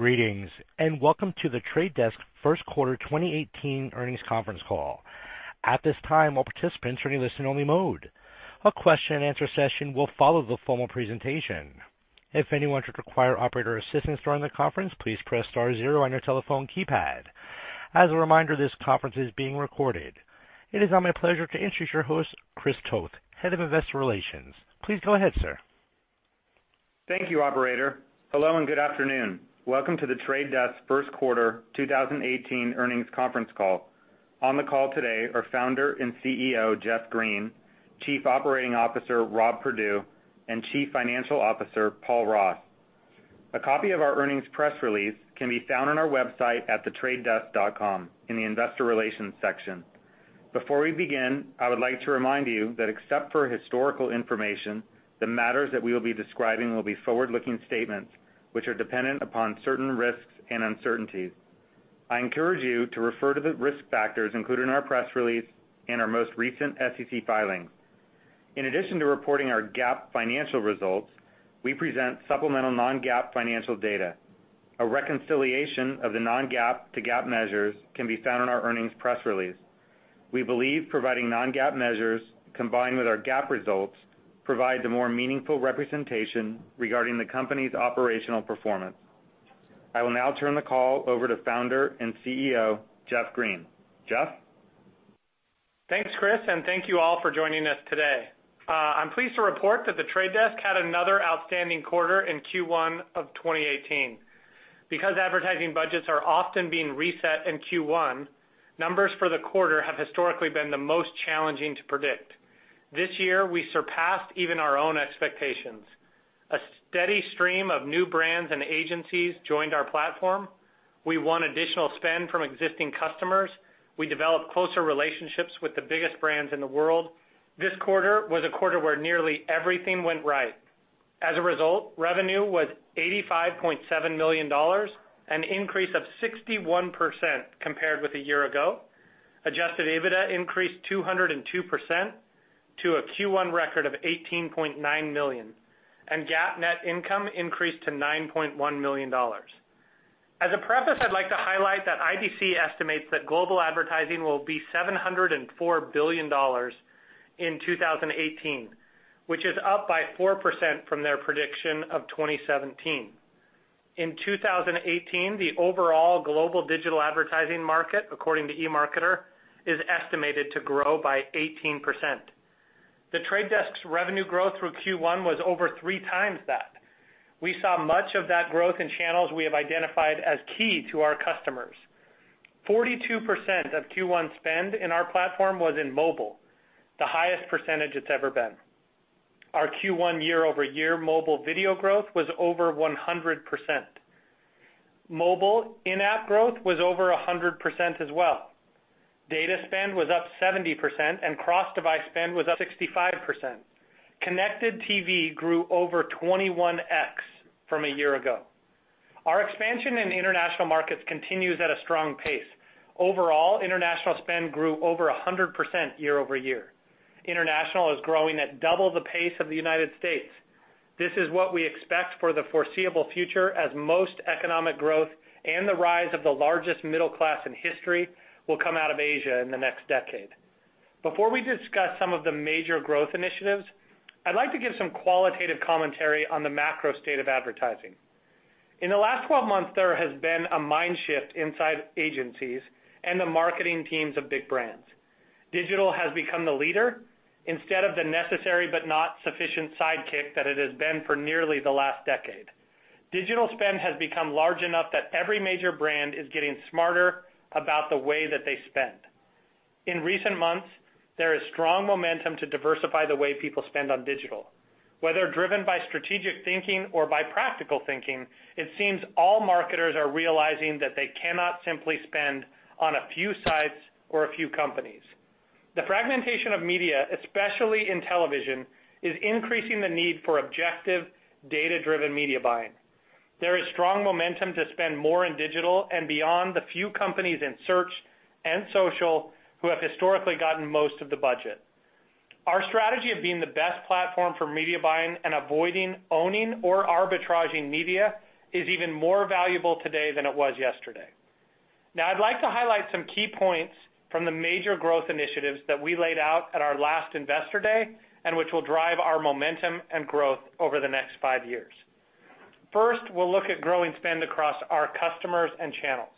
Greetings. Welcome to The Trade Desk first quarter 2018 earnings conference call. At this time, all participants are in listen-only mode. A question and answer session will follow the formal presentation. If anyone should require operator assistance during the conference, please press star zero on your telephone keypad. As a reminder, this conference is being recorded. It is now my pleasure to introduce your host, Chris Toth, Head of Investor Relations. Please go ahead, sir. Thank you, operator. Hello. Good afternoon. Welcome to The Trade Desk first quarter 2018 earnings conference call. On the call today are Founder and CEO, Jeff Green, Chief Operating Officer, Rob Perdue, and Chief Financial Officer, Paul Ross. A copy of our earnings press release can be found on our website at thetradedesk.com in the investor relations section. Before we begin, I would like to remind you that except for historical information, the matters that we will be describing will be forward-looking statements which are dependent upon certain risks and uncertainties. I encourage you to refer to the risk factors included in our press release and our most recent SEC filings. In addition to reporting our GAAP financial results, we present supplemental non-GAAP financial data. A reconciliation of the non-GAAP to GAAP measures can be found on our earnings press release. We believe providing non-GAAP measures combined with our GAAP results provide the more meaningful representation regarding the company's operational performance. I will now turn the call over to Founder and CEO, Jeff Green. Jeff? Thanks, Chris. Thank you all for joining us today. I'm pleased to report that The Trade Desk had another outstanding quarter in Q1 of 2018. Because advertising budgets are often being reset in Q1, numbers for the quarter have historically been the most challenging to predict. This year, we surpassed even our own expectations. A steady stream of new brands and agencies joined our platform. We won additional spend from existing customers. We developed closer relationships with the biggest brands in the world. This quarter was a quarter where nearly everything went right. As a result, revenue was $85.7 million, an increase of 61% compared with a year ago. Adjusted EBITDA increased 202% to a Q1 record of $18.9 million, and GAAP net income increased to $9.1 million. As a preface, I'd like to highlight that IBC estimates that global advertising will be $704 billion in 2018, which is up by 4% from their prediction of 2017. In 2018, the overall global digital advertising market, according to eMarketer, is estimated to grow by 18%. The Trade Desk's revenue growth through Q1 was over three times that. We saw much of that growth in channels we have identified as key to our customers. 42% of Q1 spend in our platform was in mobile, the highest percentage it's ever been. Our Q1 year-over-year mobile video growth was over 100%. Mobile in-app growth was over 100% as well. Data spend was up 70%, and cross-device spend was up 65%. Connected TV grew over 21x from a year ago. Our expansion in the international markets continues at a strong pace. Overall, international spend grew over 100% year-over-year. International is growing at double the pace of the United States. This is what we expect for the foreseeable future as most economic growth and the rise of the largest middle class in history will come out of Asia in the next decade. Before we discuss some of the major growth initiatives, I'd like to give some qualitative commentary on the macro state of advertising. In the last 12 months, there has been a mind shift inside agencies and the marketing teams of big brands. Digital has become the leader instead of the necessary but not sufficient sidekick that it has been for nearly the last decade. Digital spend has become large enough that every major brand is getting smarter about the way that they spend. In recent months, there is strong momentum to diversify the way people spend on digital. Whether driven by strategic thinking or by practical thinking, it seems all marketers are realizing that they cannot simply spend on a few sites or a few companies. The fragmentation of media, especially in television, is increasing the need for objective, data-driven media buying. There is strong momentum to spend more in digital and beyond the few companies in search and social who have historically gotten most of the budget. Our strategy of being the best platform for media buying and avoiding owning or arbitraging media is even more valuable today than it was yesterday. Now, I'd like to highlight some key points from the major growth initiatives that we laid out at our last Investor Day and which will drive our momentum and growth over the next five years. First, we'll look at growing spend across our customers and channels.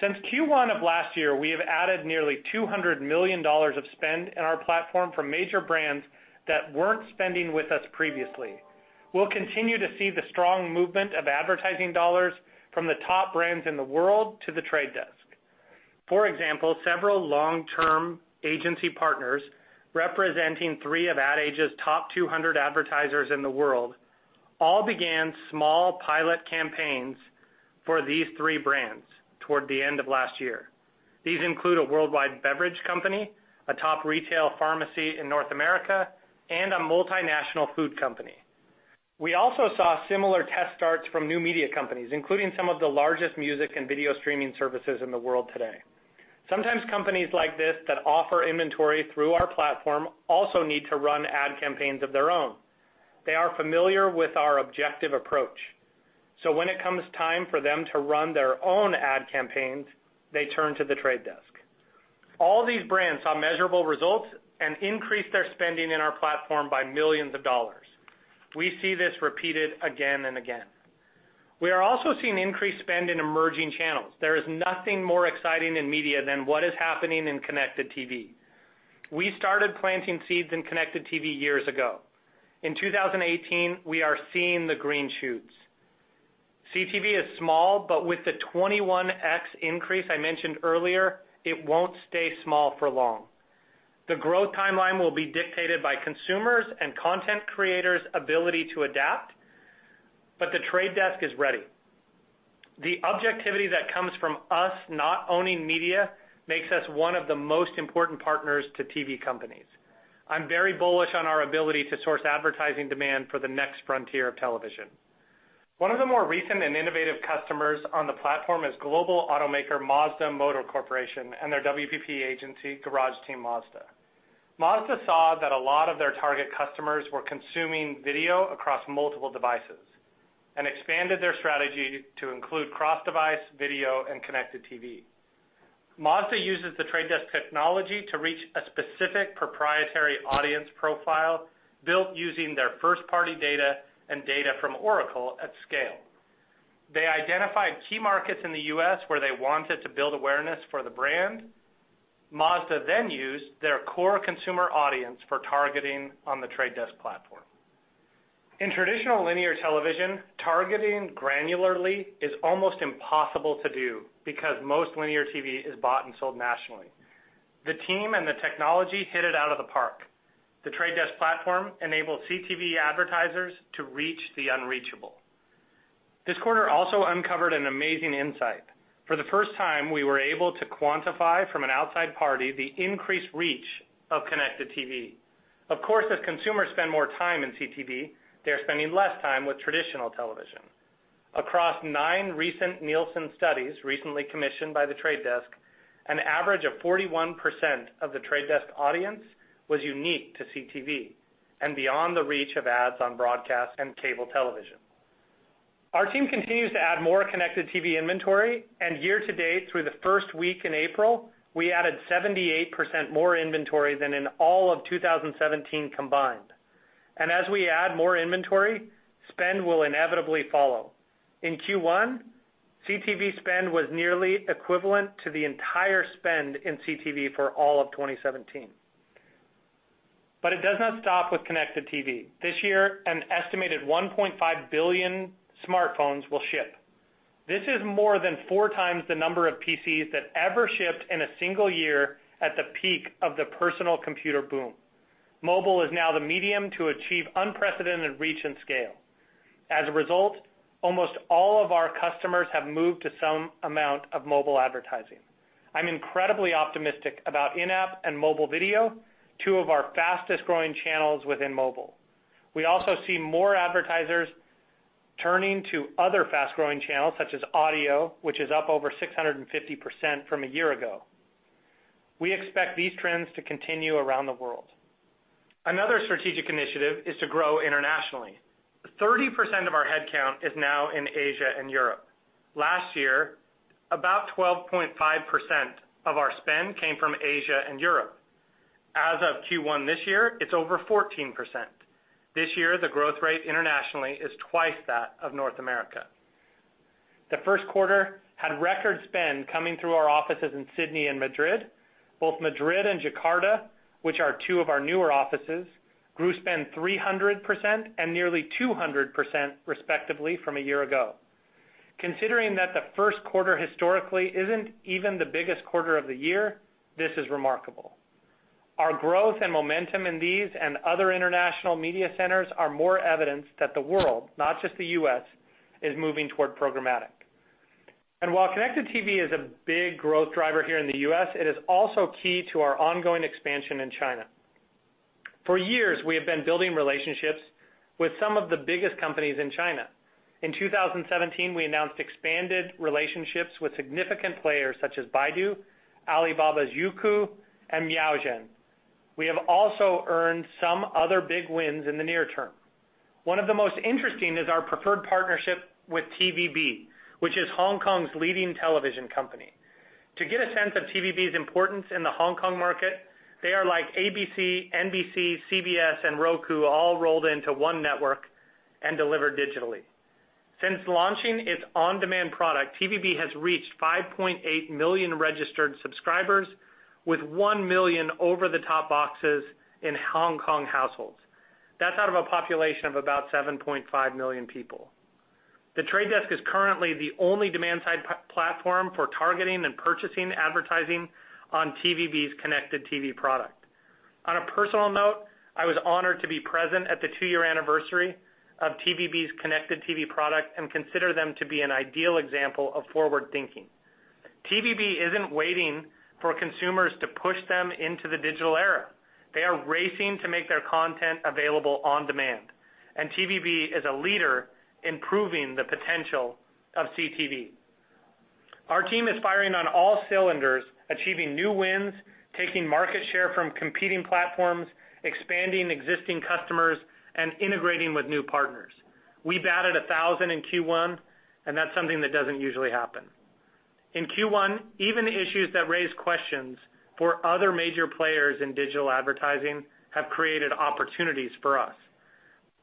Since Q1 of last year, we have added nearly $200 million of spend in our platform from major brands that weren't spending with us previously. We'll continue to see the strong movement of advertising dollars from the top brands in the world to The Trade Desk. For example, several long-term agency partners representing three of Ad Age's top 200 advertisers in the world all began small pilot campaigns for these three brands toward the end of last year. These include a worldwide beverage company, a top retail pharmacy in North America, and a multinational food company. We also saw similar test starts from new media companies, including some of the largest music and video streaming services in the world today. Sometimes companies like this that offer inventory through our platform also need to run ad campaigns of their own. They are familiar with our objective approach. When it comes time for them to run their own ad campaigns, they turn to The Trade Desk. All these brands saw measurable results and increased their spending in our platform by millions of dollars. We see this repeated again and again. We are also seeing increased spend in emerging channels. There is nothing more exciting in media than what is happening in connected TV. We started planting seeds in connected TV years ago. In 2018, we are seeing the green shoots. CTV is small, but with the 21x increase I mentioned earlier, it won't stay small for long. The growth timeline will be dictated by consumers and content creators' ability to adapt, but The Trade Desk is ready. The objectivity that comes from us not owning media makes us one of the most important partners to TV companies. I'm very bullish on our ability to source advertising demand for the next frontier of television. One of the more recent and innovative customers on the platform is global automaker Mazda Motor Corporation and their WPP agency, Garage Team Mazda. Mazda saw that a lot of their target customers were consuming video across multiple devices and expanded their strategy to include cross-device video and connected TV. Mazda uses The Trade Desk technology to reach a specific proprietary audience profile built using their first-party data and data from Oracle at scale. They identified key markets in the U.S. where they wanted to build awareness for the brand. Mazda then used their core consumer audience for targeting on The Trade Desk platform. In traditional linear television, targeting granularly is almost impossible to do because most linear TV is bought and sold nationally. The team and the technology hit it out of the park. The Trade Desk platform enabled CTV advertisers to reach the unreachable. This quarter also uncovered an amazing insight. For the first time, we were able to quantify from an outside party the increased reach of connected TV. Of course, as consumers spend more time in CTV, they are spending less time with traditional television. Across nine recent Nielsen studies recently commissioned by The Trade Desk, an average of 41% of The Trade Desk audience was unique to CTV and beyond the reach of ads on broadcast and cable television. Our team continues to add more connected TV inventory, and year to date through the first week in April, we added 78% more inventory than in all of 2017 combined. As we add more inventory, spend will inevitably follow. In Q1, CTV spend was nearly equivalent to the entire spend in CTV for all of 2017. It does not stop with connected TV. This year, an estimated 1.5 billion smartphones will ship. This is more than four times the number of PCs that ever shipped in a single year at the peak of the personal computer boom. Mobile is now the medium to achieve unprecedented reach and scale. As a result, almost all of our customers have moved to some amount of mobile advertising. I'm incredibly optimistic about in-app and mobile video, two of our fastest-growing channels within mobile. We also see more advertisers turning to other fast-growing channels such as audio, which is up over 650% from a year ago. We expect these trends to continue around the world. Another strategic initiative is to grow internationally. 30% of our headcount is now in Asia and Europe. Last year, about 12.5% of our spend came from Asia and Europe. As of Q1 this year, it's over 14%. This year, the growth rate internationally is twice that of North America. The first quarter had record spend coming through our offices in Sydney and Madrid. Both Madrid and Jakarta, which are two of our newer offices, grew spend 300% and nearly 200% respectively from a year ago. Considering that the first quarter historically isn't even the biggest quarter of the year, this is remarkable. Our growth and momentum in these and other international media centers are more evidence that the world, not just the U.S., is moving toward programmatic. While connected TV is a big growth driver here in the U.S., it is also key to our ongoing expansion in China. For years, we have been building relationships with some of the biggest companies in China. In 2017, we announced expanded relationships with significant players such as Baidu, Alibaba's Youku, and Miaozhen. We have also earned some other big wins in the near term. One of the most interesting is our preferred partnership with TVB, which is Hong Kong's leading television company. To get a sense of TVB's importance in the Hong Kong market, they are like ABC, NBC, CBS, and Roku all rolled into one network and delivered digitally. Since launching its on-demand product, TVB has reached 5.8 million registered subscribers with 1 million over-the-top boxes in Hong Kong households. That's out of a population of about 7.5 million people. The Trade Desk is currently the only demand-side platform for targeting and purchasing advertising on TVB's connected TV product. On a personal note, I was honored to be present at the two-year anniversary of TVB's connected TV product and consider them to be an ideal example of forward-thinking. TVB isn't waiting for consumers to push them into the digital era. They are racing to make their content available on demand. TVB is a leader in proving the potential of CTV. Our team is firing on all cylinders, achieving new wins, taking market share from competing platforms, expanding existing customers, and integrating with new partners. We batted 1,000 in Q1, and that's something that doesn't usually happen. In Q1, even the issues that raised questions for other major players in digital advertising have created opportunities for us.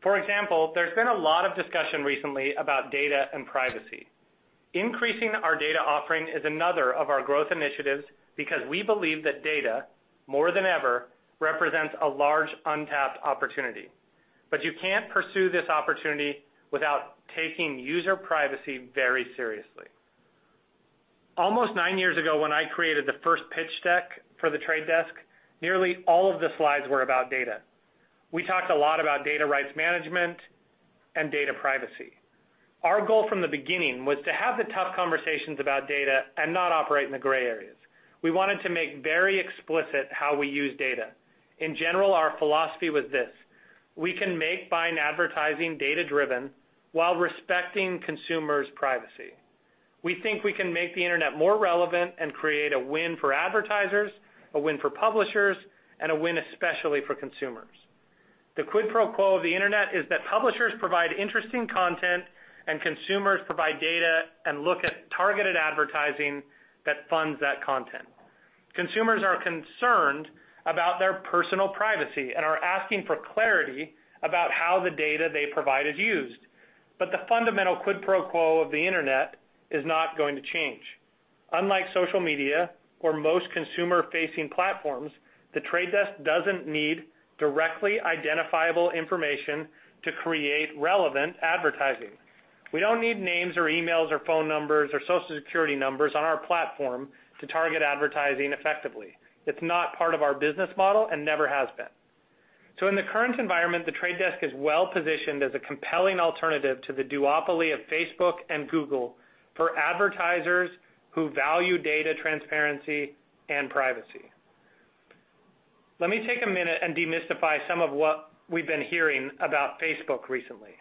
For example, there's been a lot of discussion recently about data and privacy. Increasing our data offering is another of our growth initiatives because we believe that data, more than ever, represents a large untapped opportunity. You can't pursue this opportunity without taking user privacy very seriously. Almost nine years ago, when I created the first pitch deck for The Trade Desk, nearly all of the slides were about data. We talked a lot about data rights management and data privacy. Our goal from the beginning was to have the tough conversations about data and not operate in the gray areas. We wanted to make very explicit how we use data. In general, our philosophy was this: We can make buying advertising data-driven while respecting consumers' privacy. We think we can make the internet more relevant and create a win for advertisers, a win for publishers, and a win especially for consumers. The quid pro quo of the internet is that publishers provide interesting content and consumers provide data and look at targeted advertising that funds that content. Consumers are concerned about their personal privacy and are asking for clarity about how the data they provide is used, but the fundamental quid pro quo of the internet is not going to change. Unlike social media or most consumer-facing platforms, The Trade Desk doesn't need directly identifiable information to create relevant advertising. We don't need names or emails or phone numbers or Social Security numbers on our platform to target advertising effectively. It's not part of our business model and never has been. In the current environment, The Trade Desk is well-positioned as a compelling alternative to the duopoly of Facebook and Google for advertisers who value data transparency and privacy. Let me take a minute and demystify some of what we've been hearing about Facebook recently.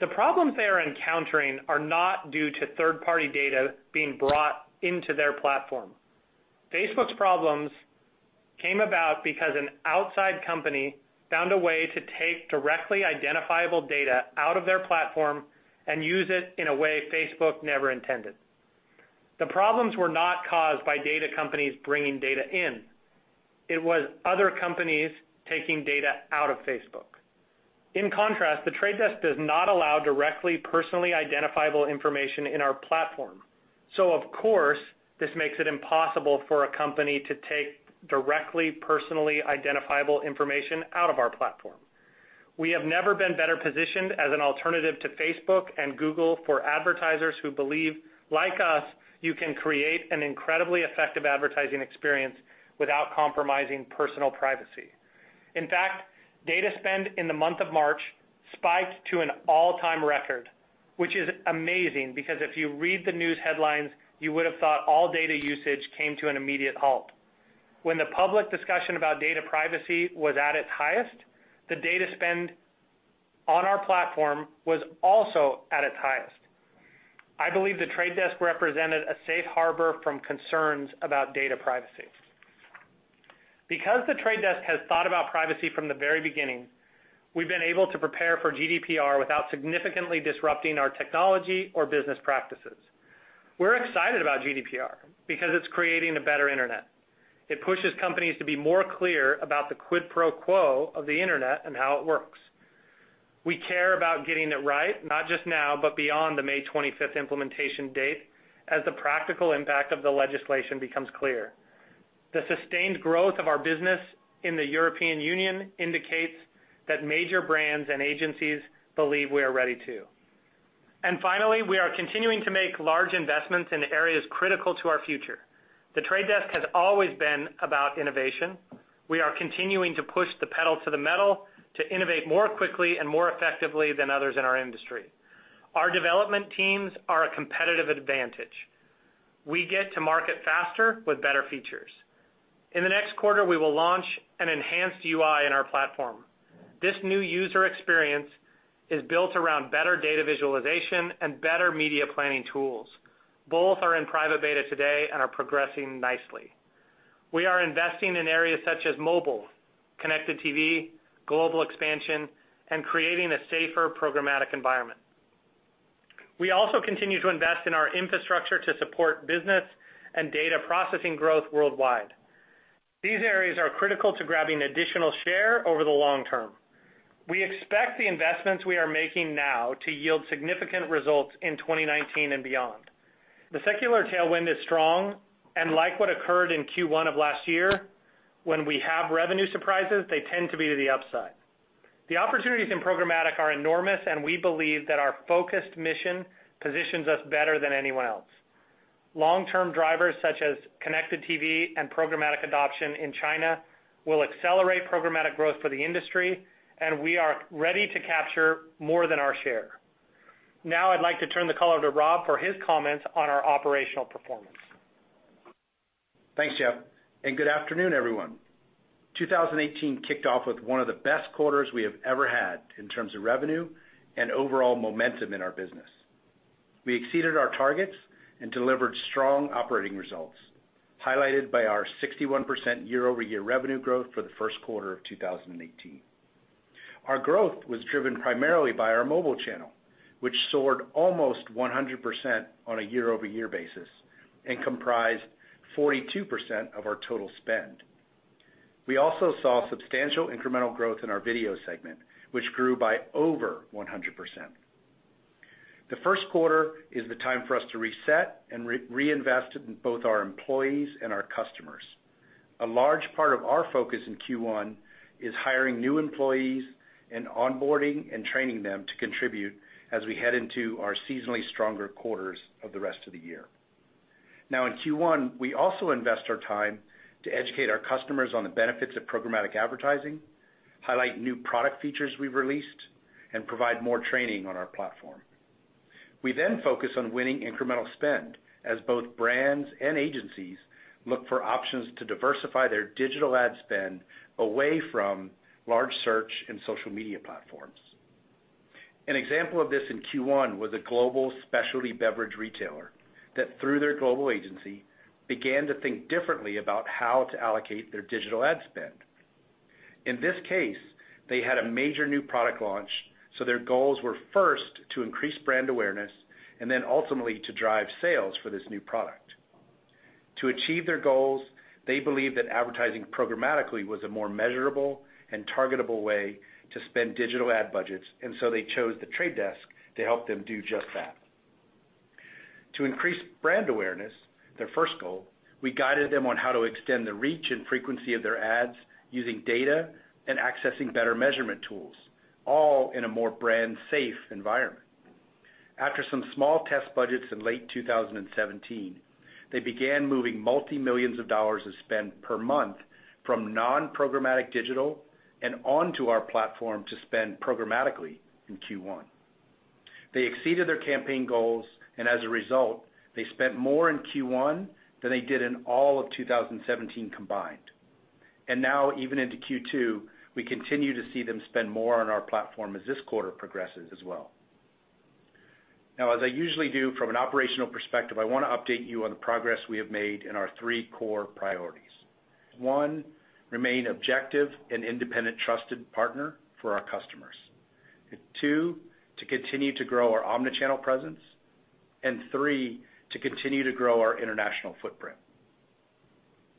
The problems they are encountering are not due to third-party data being brought into their platform. Facebook's problems came about because an outside company found a way to take directly identifiable data out of their platform and use it in a way Facebook never intended. The problems were not caused by data companies bringing data in. It was other companies taking data out of Facebook. In contrast, The Trade Desk does not allow directly personally identifiable information in our platform. Of course, this makes it impossible for a company to take directly personally identifiable information out of our platform. We have never been better positioned as an alternative to Facebook and Google for advertisers who believe, like us, you can create an incredibly effective advertising experience without compromising personal privacy. In fact, data spend in the month of March spiked to an all-time record, which is amazing because if you read the news headlines, you would have thought all data usage came to an immediate halt. When the public discussion about data privacy was at its highest, the data spend on our platform was also at its highest. I believe The Trade Desk represented a safe harbor from concerns about data privacy. Because The Trade Desk has thought about privacy from the very beginning, we've been able to prepare for GDPR without significantly disrupting our technology or business practices. We're excited about GDPR because it's creating a better internet. It pushes companies to be more clear about the quid pro quo of the internet and how it works. We care about getting it right, not just now, but beyond the May 25th implementation date, as the practical impact of the legislation becomes clear. The sustained growth of our business in the European Union indicates that major brands and agencies believe we are ready, too. Finally, we are continuing to make large investments in areas critical to our future. The Trade Desk has always been about innovation. We are continuing to push the pedal to the metal to innovate more quickly and more effectively than others in our industry. Our development teams are a competitive advantage. We get to market faster with better features. In the next quarter, we will launch an enhanced UI in our platform. This new user experience is built around better data visualization and better media planning tools. Both are in private beta today and are progressing nicely. We are investing in areas such as mobile, connected TV, global expansion, and creating a safer programmatic environment. We also continue to invest in our infrastructure to support business and data processing growth worldwide. These areas are critical to grabbing additional share over the long term. We expect the investments we are making now to yield significant results in 2019 and beyond. The secular tailwind is strong, and like what occurred in Q1 of last year, when we have revenue surprises, they tend to be to the upside. The opportunities in programmatic are enormous, and we believe that our focused mission positions us better than anyone else. Long-term drivers such as connected TV and programmatic adoption in China will accelerate programmatic growth for the industry, and we are ready to capture more than our share. I'd like to turn the call over to Rob for his comments on our operational performance. Thanks, Jeff, and good afternoon, everyone. 2018 kicked off with one of the best quarters we have ever had in terms of revenue and overall momentum in our business. We exceeded our targets and delivered strong operating results, highlighted by our 61% year-over-year revenue growth for the first quarter of 2018. Our growth was driven primarily by our mobile channel, which soared almost 100% on a year-over-year basis and comprised 42% of our total spend. We also saw substantial incremental growth in our video segment, which grew by over 100%. The first quarter is the time for us to reset and reinvest in both our employees and our customers. A large part of our focus in Q1 is hiring new employees and onboarding and training them to contribute as we head into our seasonally stronger quarters of the rest of the year. In Q1, we also invest our time to educate our customers on the benefits of programmatic advertising, highlight new product features we've released, and provide more training on our platform. We focus on winning incremental spend as both brands and agencies look for options to diversify their digital ad spend away from large search and social media platforms. An example of this in Q1 was a global specialty beverage retailer that, through their global agency, began to think differently about how to allocate their digital ad spend. In this case, they had a major new product launch, their goals were first to increase brand awareness and then ultimately to drive sales for this new product. To achieve their goals, they believed that advertising programmatically was a more measurable and targetable way to spend digital ad budgets. They chose The Trade Desk to help them do just that. To increase brand awareness, their first goal, we guided them on how to extend the reach and frequency of their ads using data and accessing better measurement tools, all in a more brand-safe environment. After some small test budgets in late 2017, they began moving multi-millions of dollars of spend per month from non-programmatic digital and onto our platform to spend programmatically in Q1. They exceeded their campaign goals. As a result, they spent more in Q1 than they did in all of 2017 combined. Now even into Q2, we continue to see them spend more on our platform as this quarter progresses as well. As I usually do from an operational perspective, I want to update you on the progress we have made in our three core priorities. One, remain objective and independent trusted partner for our customers. Two, to continue to grow our omnichannel presence, and three, to continue to grow our international footprint.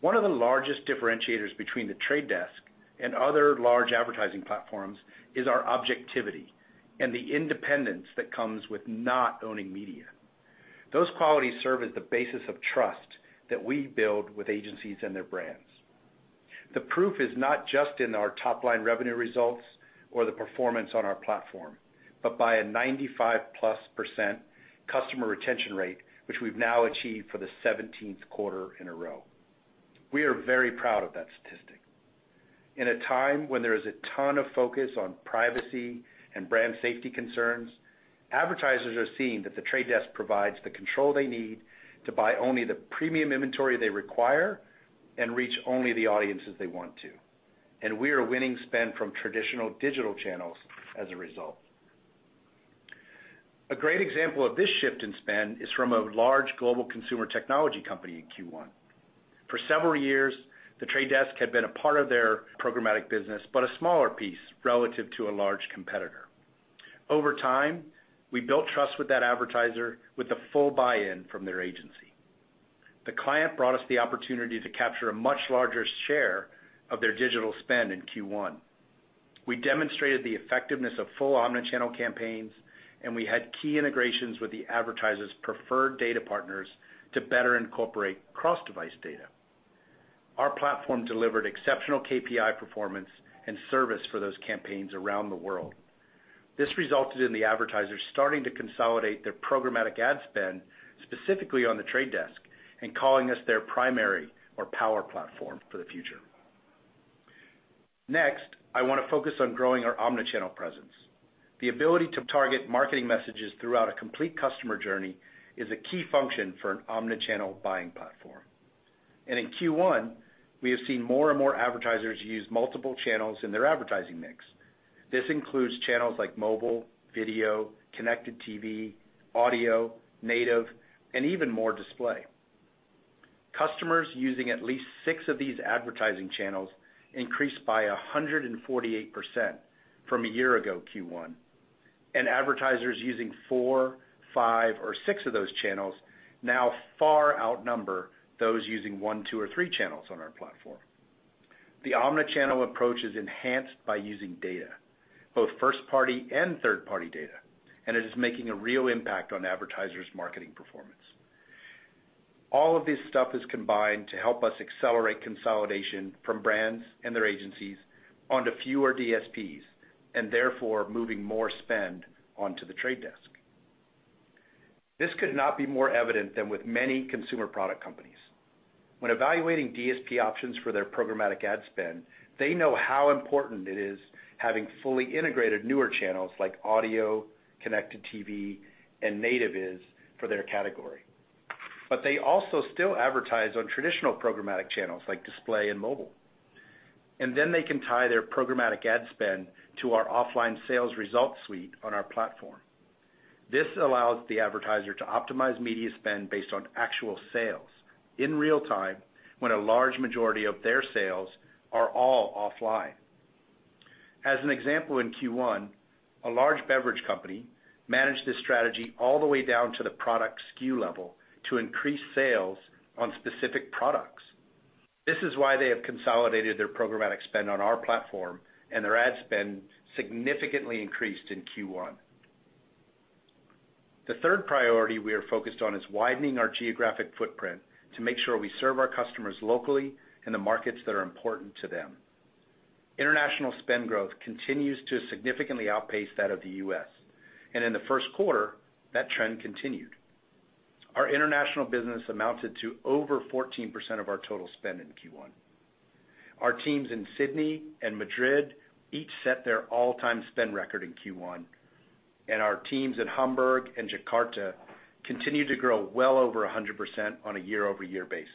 One of the largest differentiators between The Trade Desk and other large advertising platforms is our objectivity and the independence that comes with not owning media. Those qualities serve as the basis of trust that we build with agencies and their brands. The proof is not just in our top-line revenue results or the performance on our platform, but by a 95-plus percent customer retention rate, which we've now achieved for the 17th quarter in a row. We are very proud of that statistic. In a time when there is a ton of focus on privacy and brand safety concerns, advertisers are seeing that The Trade Desk provides the control they need to buy only the premium inventory they require and reach only the audiences they want to. We are winning spend from traditional digital channels as a result. A great example of this shift in spend is from a large global consumer technology company in Q1. For several years, The Trade Desk had been a part of their programmatic business, but a smaller piece relative to a large competitor. Over time, we built trust with that advertiser with the full buy-in from their agency. The client brought us the opportunity to capture a much larger share of their digital spend in Q1. We demonstrated the effectiveness of full omnichannel campaigns. We had key integrations with the advertiser's preferred data partners to better incorporate cross-device data. Our platform delivered exceptional KPI performance and service for those campaigns around the world. This resulted in the advertisers starting to consolidate their programmatic ad spend, specifically on The Trade Desk and calling us their primary or power platform for the future. Next, I want to focus on growing our omnichannel presence. The ability to target marketing messages throughout a complete customer journey is a key function for an omnichannel buying platform. In Q1, we have seen more and more advertisers use multiple channels in their advertising mix. This includes channels like mobile, video, connected TV, audio, native, and even more display. Customers using at least six of these advertising channels increased by 148% from a year ago Q1, advertisers using four, five, or six of those channels now far outnumber those using one, two, or three channels on our platform. The omnichannel approach is enhanced by using data, both first-party and third-party data, and it is making a real impact on advertisers' marketing performance. All of this stuff is combined to help us accelerate consolidation from brands and their agencies onto fewer DSPs and therefore moving more spend onto The Trade Desk. This could not be more evident than with many consumer product companies. When evaluating DSP options for their programmatic ad spend, they know how important it is having fully integrated newer channels like audio, connected TV, and native is for their category. They also still advertise on traditional programmatic channels like display and mobile. They can tie their programmatic ad spend to our offline sales results suite on our platform. This allows the advertiser to optimize media spend based on actual sales in real time, when a large majority of their sales are all offline. As an example, in Q1, a large beverage company managed this strategy all the way down to the product SKU level to increase sales on specific products. This is why they have consolidated their programmatic spend on our platform and their ad spend significantly increased in Q1. The third priority we are focused on is widening our geographic footprint to make sure we serve our customers locally in the markets that are important to them. International spend growth continues to significantly outpace that of the U.S., and in the first quarter, that trend continued. Our international business amounted to over 14% of our total spend in Q1. Our teams in Sydney and Madrid each set their all-time spend record in Q1, our teams in Hamburg and Jakarta continue to grow well over 100% on a year-over-year basis.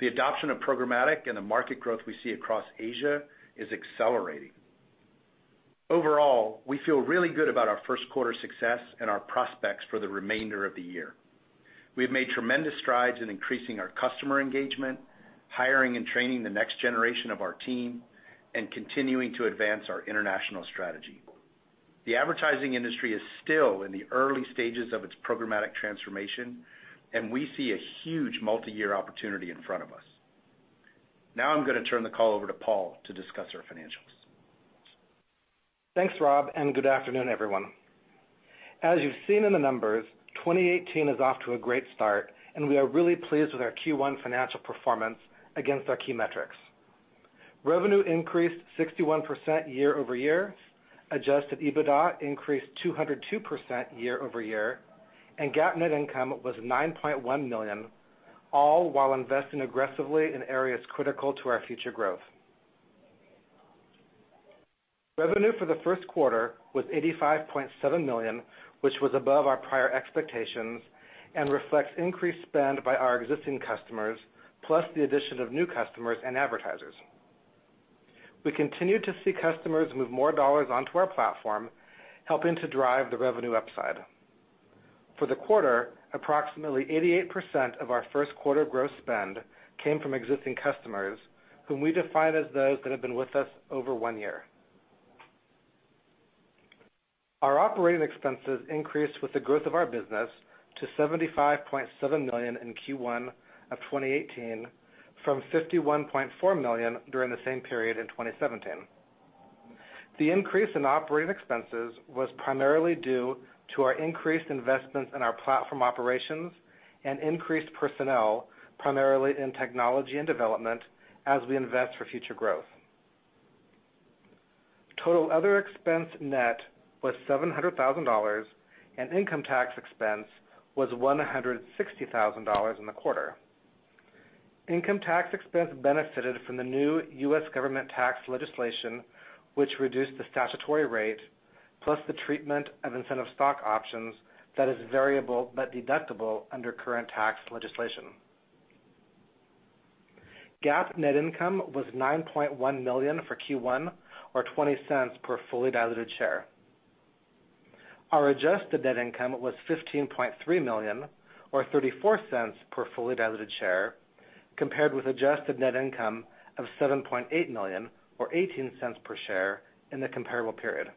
The adoption of programmatic and the market growth we see across Asia is accelerating. Overall, we feel really good about our first quarter success and our prospects for the remainder of the year. We've made tremendous strides in increasing our customer engagement, hiring and training the next generation of our team, and continuing to advance our international strategy. The advertising industry is still in the early stages of its programmatic transformation, and we see a huge multi-year opportunity in front of us. I'm going to turn the call over to Paul to discuss our financials. Thanks, Rob, good afternoon, everyone. As you've seen in the numbers, 2018 is off to a great start, we are really pleased with our Q1 financial performance against our key metrics. Revenue increased 61% year-over-year, adjusted EBITDA increased 202% year-over-year, GAAP net income was $9.1 million, all while investing aggressively in areas critical to our future growth. Revenue for the first quarter was $85.7 million, which was above our prior expectations and reflects increased spend by our existing customers, plus the addition of new customers and advertisers. We continue to see customers move more dollars onto our platform, helping to drive the revenue upside. For the quarter, approximately 88% of our first quarter gross spend came from existing customers, whom we define as those that have been with us over one year. Our operating expenses increased with the growth of our business to $75.7 million in Q1 of 2018 from $51.4 million during the same period in 2017. The increase in operating expenses was primarily due to our increased investments in our platform operations and increased personnel, primarily in technology and development as we invest for future growth. Total other expense net was $700,000, income tax expense was $160,000 in the quarter. Income tax expense benefited from the new U.S. government tax legislation, which reduced the statutory rate, plus the treatment of incentive stock options that is variable but deductible under current tax legislation. GAAP net income was $9.1 million for Q1, or $0.20 per fully diluted share. Our adjusted net income was $15.3 million, or $0.34 per fully diluted share, compared with adjusted net income of $7.8 million, or $0.18 per share in the comparable period.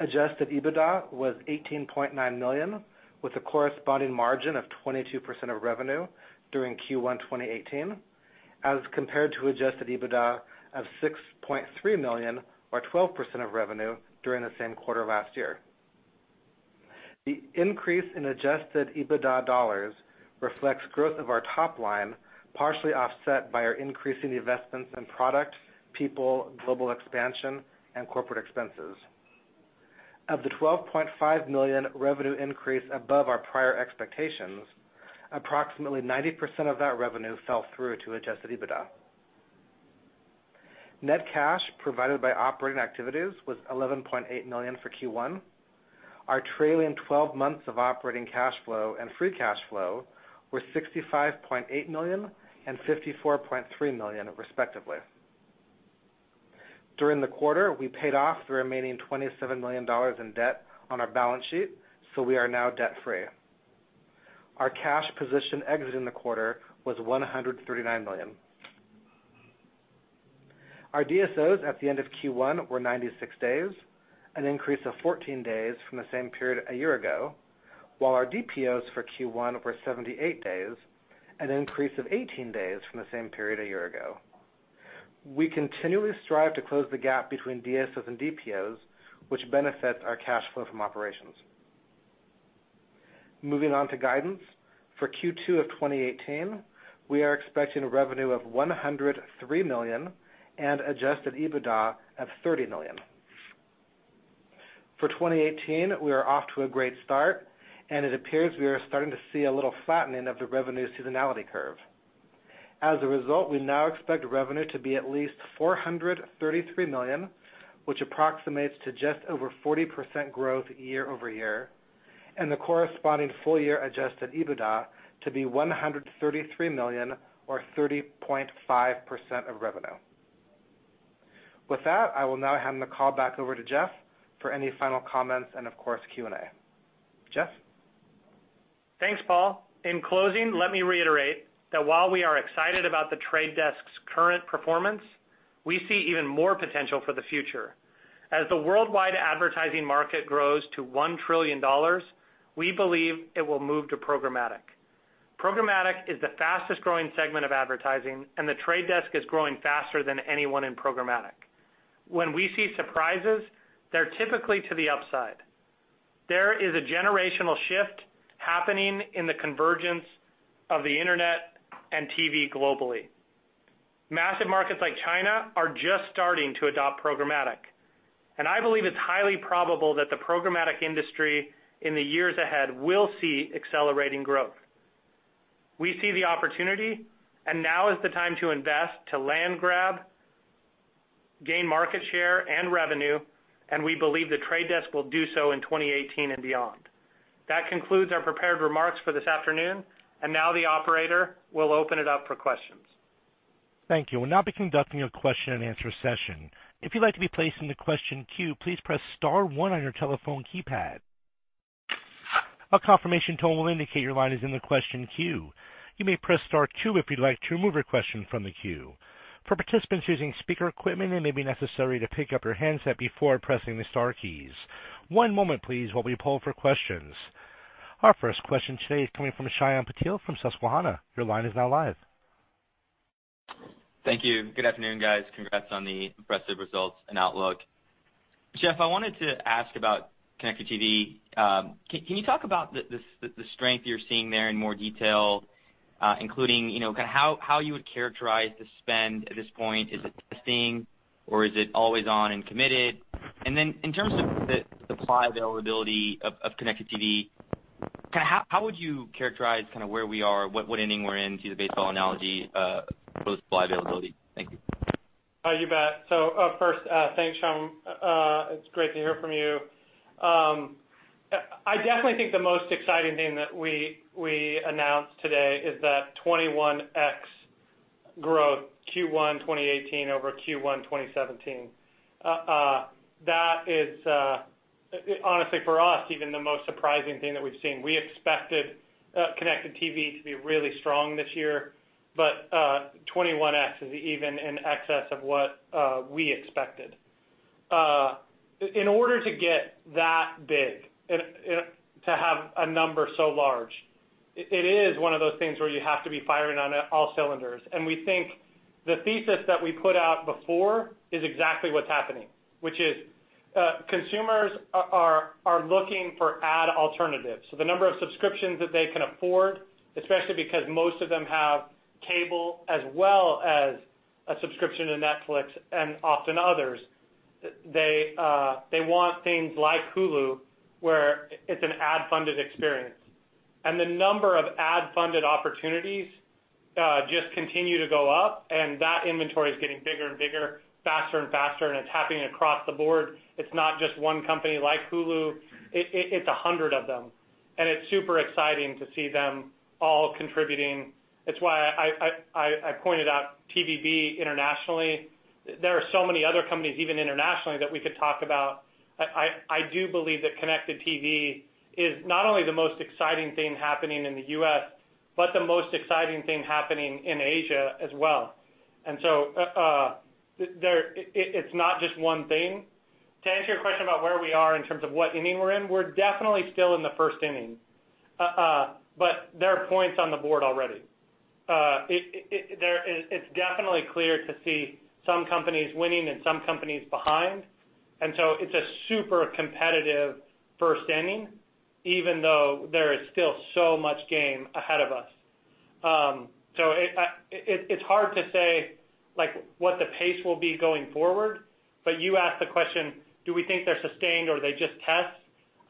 Adjusted EBITDA was $18.9 million, with a corresponding margin of 22% of revenue during Q1 2018, as compared to adjusted EBITDA of $6.3 million, or 12% of revenue during the same quarter last year. The increase in adjusted EBITDA dollars reflects growth of our top line, partially offset by our increase in investments in product, people, global expansion, and corporate expenses. Of the $12.5 million revenue increase above our prior expectations, approximately 90% of that revenue fell through to adjusted EBITDA. Net cash provided by operating activities was $11.8 million for Q1. Our trailing 12 months of operating cash flow and free cash flow were $65.8 million and $54.3 million, respectively. During the quarter, we paid off the remaining $27 million in debt on our balance sheet, so we are now debt-free. Our cash position exiting the quarter was $139 million. Our DSOs at the end of Q1 were 96 days, an increase of 14 days from the same period a year ago, while our DPOs for Q1 were 78 days, an increase of 18 days from the same period a year ago. We continually strive to close the gap between DSOs and DPOs, which benefits our cash flow from operations. Moving on to guidance. For Q2 of 2018, we are expecting revenue of $103 million and adjusted EBITDA of $30 million. For 2018, we are off to a great start, it appears we are starting to see a little flattening of the revenue seasonality curve. As a result, we now expect revenue to be at least $433 million, which approximates to just over 40% growth year-over-year. The corresponding full year adjusted EBITDA to be $133 million or 30.5% of revenue. With that, I will now hand the call back over to Jeff for any final comments and of course, Q&A. Jeff? Thanks, Paul. In closing, let me reiterate that while we are excited about The Trade Desk's current performance, we see even more potential for the future. As the worldwide advertising market grows to $1 trillion, we believe it will move to programmatic. Programmatic is the fastest growing segment of advertising, and The Trade Desk is growing faster than anyone in programmatic. When we see surprises, they're typically to the upside. There is a generational shift happening in the convergence of the internet and TV globally. Massive markets like China are just starting to adopt programmatic. I believe it's highly probable that the programmatic industry in the years ahead will see accelerating growth. We see the opportunity. Now is the time to invest, to land grab, gain market share and revenue, and we believe The Trade Desk will do so in 2018 and beyond. That concludes our prepared remarks for this afternoon. Now the operator will open it up for questions. Thank you. We'll now be conducting a question and answer session. If you'd like to be placed in the question queue, please press star one on your telephone keypad. A confirmation tone will indicate your line is in the question queue. You may press star two if you'd like to remove your question from the queue. For participants using speaker equipment, it may be necessary to pick up your handset before pressing the star keys. One moment, please, while we poll for questions. Our first question today is coming from Shyam Patil from Susquehanna. Your line is now live. Thank you. Good afternoon, guys. Congrats on the impressive results and outlook. Jeff, I wanted to ask about connected TV. Can you talk about the strength you're seeing there in more detail, including how you would characterize the spend at this point? Is it testing or is it always on and committed? Then in terms of the supply availability of connected TV, how would you characterize where we are, what inning we're in, to the baseball analogy, for supply availability? Thank you. You bet. First, thanks, Shyam. It's great to hear from you. I definitely think the most exciting thing that we announced today is that 21x growth Q1 2018 over Q1 2017. That is, honestly, for us, even the most surprising thing that we've seen. We expected connected TV to be really strong this year, but 21x is even in excess of what we expected. In order to get that big and to have a number so large, it is one of those things where you have to be firing on all cylinders. We think the thesis that we put out before is exactly what's happening, which is consumers are looking for ad alternatives. The number of subscriptions that they can afford, especially because most of them have cable as well as a subscription to Netflix and often others, they want things like Hulu, where it's an ad-funded experience. The number of ad-funded opportunities just continue to go up, and that inventory is getting bigger and bigger, faster and faster, and it's happening across the board. It's not just one company like Hulu. It's 100 of them. It's super exciting to see them all contributing. It's why I pointed out TVB internationally. There are so many other companies, even internationally, that we could talk about. I do believe that connected TV is not only the most exciting thing happening in the U.S., but the most exciting thing happening in Asia as well. It's not just one thing. To answer your question about where we are in terms of what inning we're in, we're definitely still in the first inning. There are points on the board already. It's definitely clear to see some companies winning and some companies behind, it's a super competitive first inning, even though there is still so much game ahead of us. It's hard to say what the pace will be going forward, but you asked the question, do we think they're sustained or are they just tests?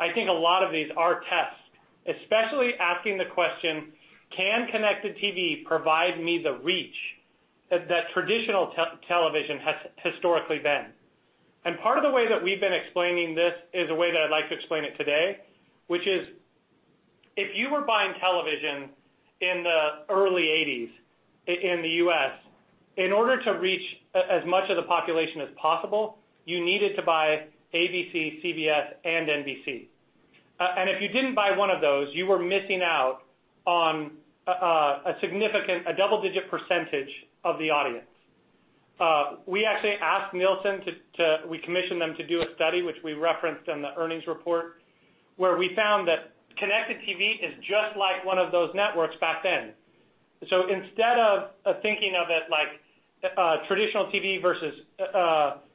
I think a lot of these are tests, especially asking the question, can connected TV provide me the reach that traditional television has historically been? Part of the way that we've been explaining this is a way that I'd like to explain it today, which is if you were buying television in the early '80s in the U.S., in order to reach as much of the population as possible, you needed to buy ABC, CBS, and NBC. If you didn't buy one of those, you were missing out on a double-digit percentage of the audience. We actually asked Nielsen, we commissioned them to do a study, which we referenced in the earnings report, where we found that connected TV is just like one of those networks back then. Instead of thinking of it like traditional TV versus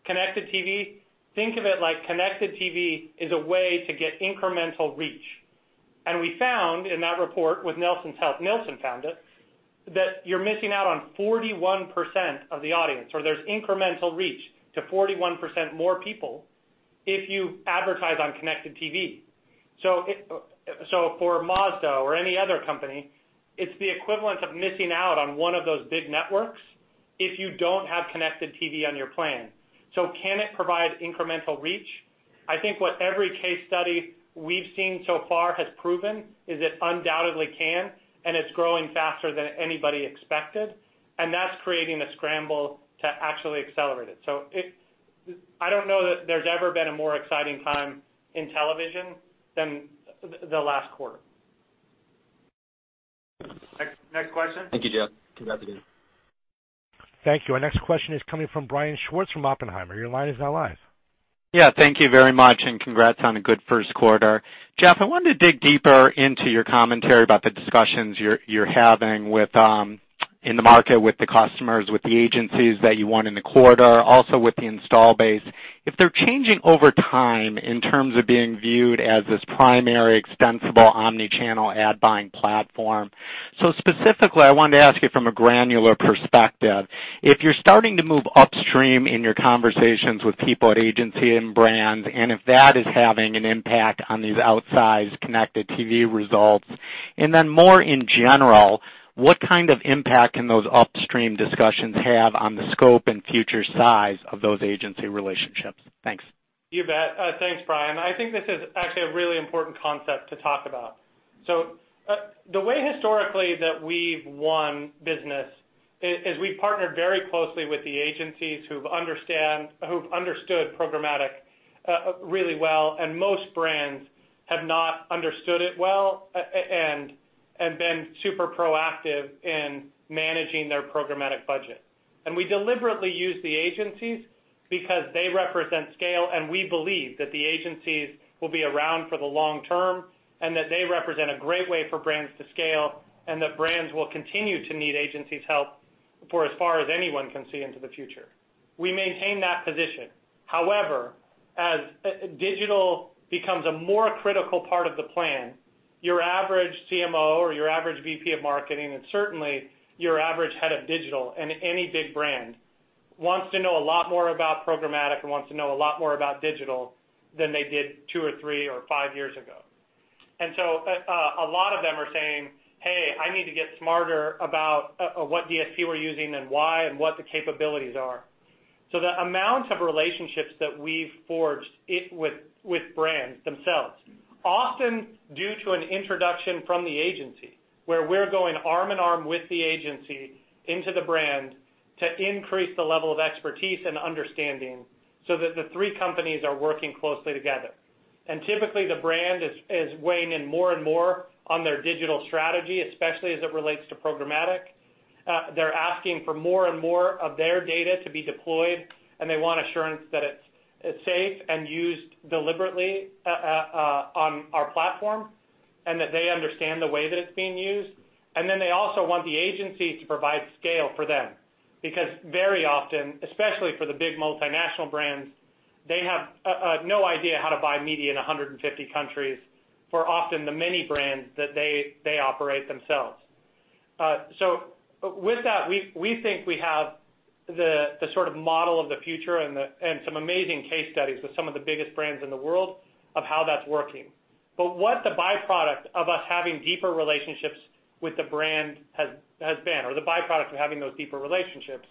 connected TV, think of it like connected TV is a way to get incremental reach. We found in that report, with Nielsen's help, Nielsen found it, that you're missing out on 41% of the audience, or there's incremental reach to 41% more people if you advertise on connected TV. For Mazda or any other company, it's the equivalent of missing out on one of those big networks if you don't have connected TV on your plan. Can it provide incremental reach? I think what every case study we've seen so far has proven is it undoubtedly can, and it's growing faster than anybody expected, and that's creating the scramble to actually accelerate it. I don't know that there's ever been a more exciting time in television than the last quarter. Next question? Thank you, Jeff. Congrats again. Thank you. Our next question is coming from Brian Schwartz from Oppenheimer. Your line is now live. Thank you very much. Congrats on a good first quarter. Jeff, I wanted to dig deeper into your commentary about the discussions you're having in the market with the customers, with the agencies that you won in the quarter, also with the install base, if they're changing over time in terms of being viewed as this primary extensible omni-channel ad buying platform. Specifically, I wanted to ask you from a granular perspective, if you're starting to move upstream in your conversations with people at agency and brand, and if that is having an impact on these outsized connected TV results, and then more in general, what kind of impact can those upstream discussions have on the scope and future size of those agency relationships? Thanks. You bet. Thanks, Brian. I think this is actually a really important concept to talk about. The way, historically, that we've won business is we've partnered very closely with the agencies who've understood programmatic really well, and most brands have not understood it well and been super proactive in managing their programmatic budget. We deliberately use the agencies because they represent scale, and we believe that the agencies will be around for the long term, and that they represent a great way for brands to scale, and that brands will continue to need agencies' help for as far as anyone can see into the future. We maintain that position. However, as digital becomes a more critical part of the plan, your average CMO or your average VP of marketing, and certainly your average head of digital in any big brand wants to know a lot more about programmatic and wants to know a lot more about digital than they did two or three or five years ago. A lot of them are saying, "Hey, I need to get smarter about what DSP we're using and why, and what the capabilities are." The amount of relationships that we've forged with brands themselves, often due to an introduction from the agency, where we're going arm in arm with the agency into the brand to increase the level of expertise and understanding so that the three companies are working closely together. Typically, the brand is weighing in more and more on their digital strategy, especially as it relates to programmatic. They're asking for more and more of their data to be deployed, and they want assurance that it's safe and used deliberately on our platform, and that they understand the way that it's being used. They also want the agency to provide scale for them. Because very often, especially for the big multinational brands, they have no idea how to buy media in 150 countries for often the many brands that they operate themselves. With that, we think we have the sort of model of the future and some amazing case studies with some of the biggest brands in the world of how that's working. What the byproduct of us having deeper relationships with the brand has been, or the byproduct of having those deeper relationships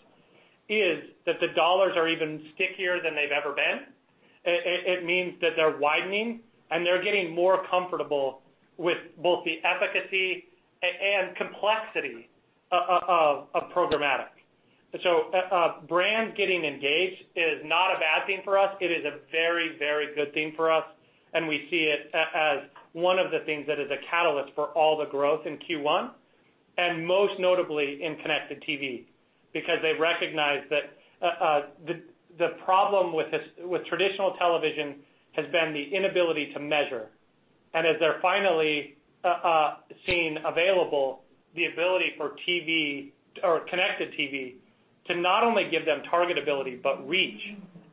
is that the dollars are even stickier than they've ever been. It means that they're widening and they're getting more comfortable with both the efficacy and complexity of programmatic. Brands getting engaged is not a bad thing for us. It is a very good thing for us, and we see it as one of the things that is a catalyst for all the growth in Q1, and most notably in connected TV, because they've recognized that the problem with traditional television has been the inability to measure. As they're finally seen available, the ability for connected TV to not only give them target ability, but reach,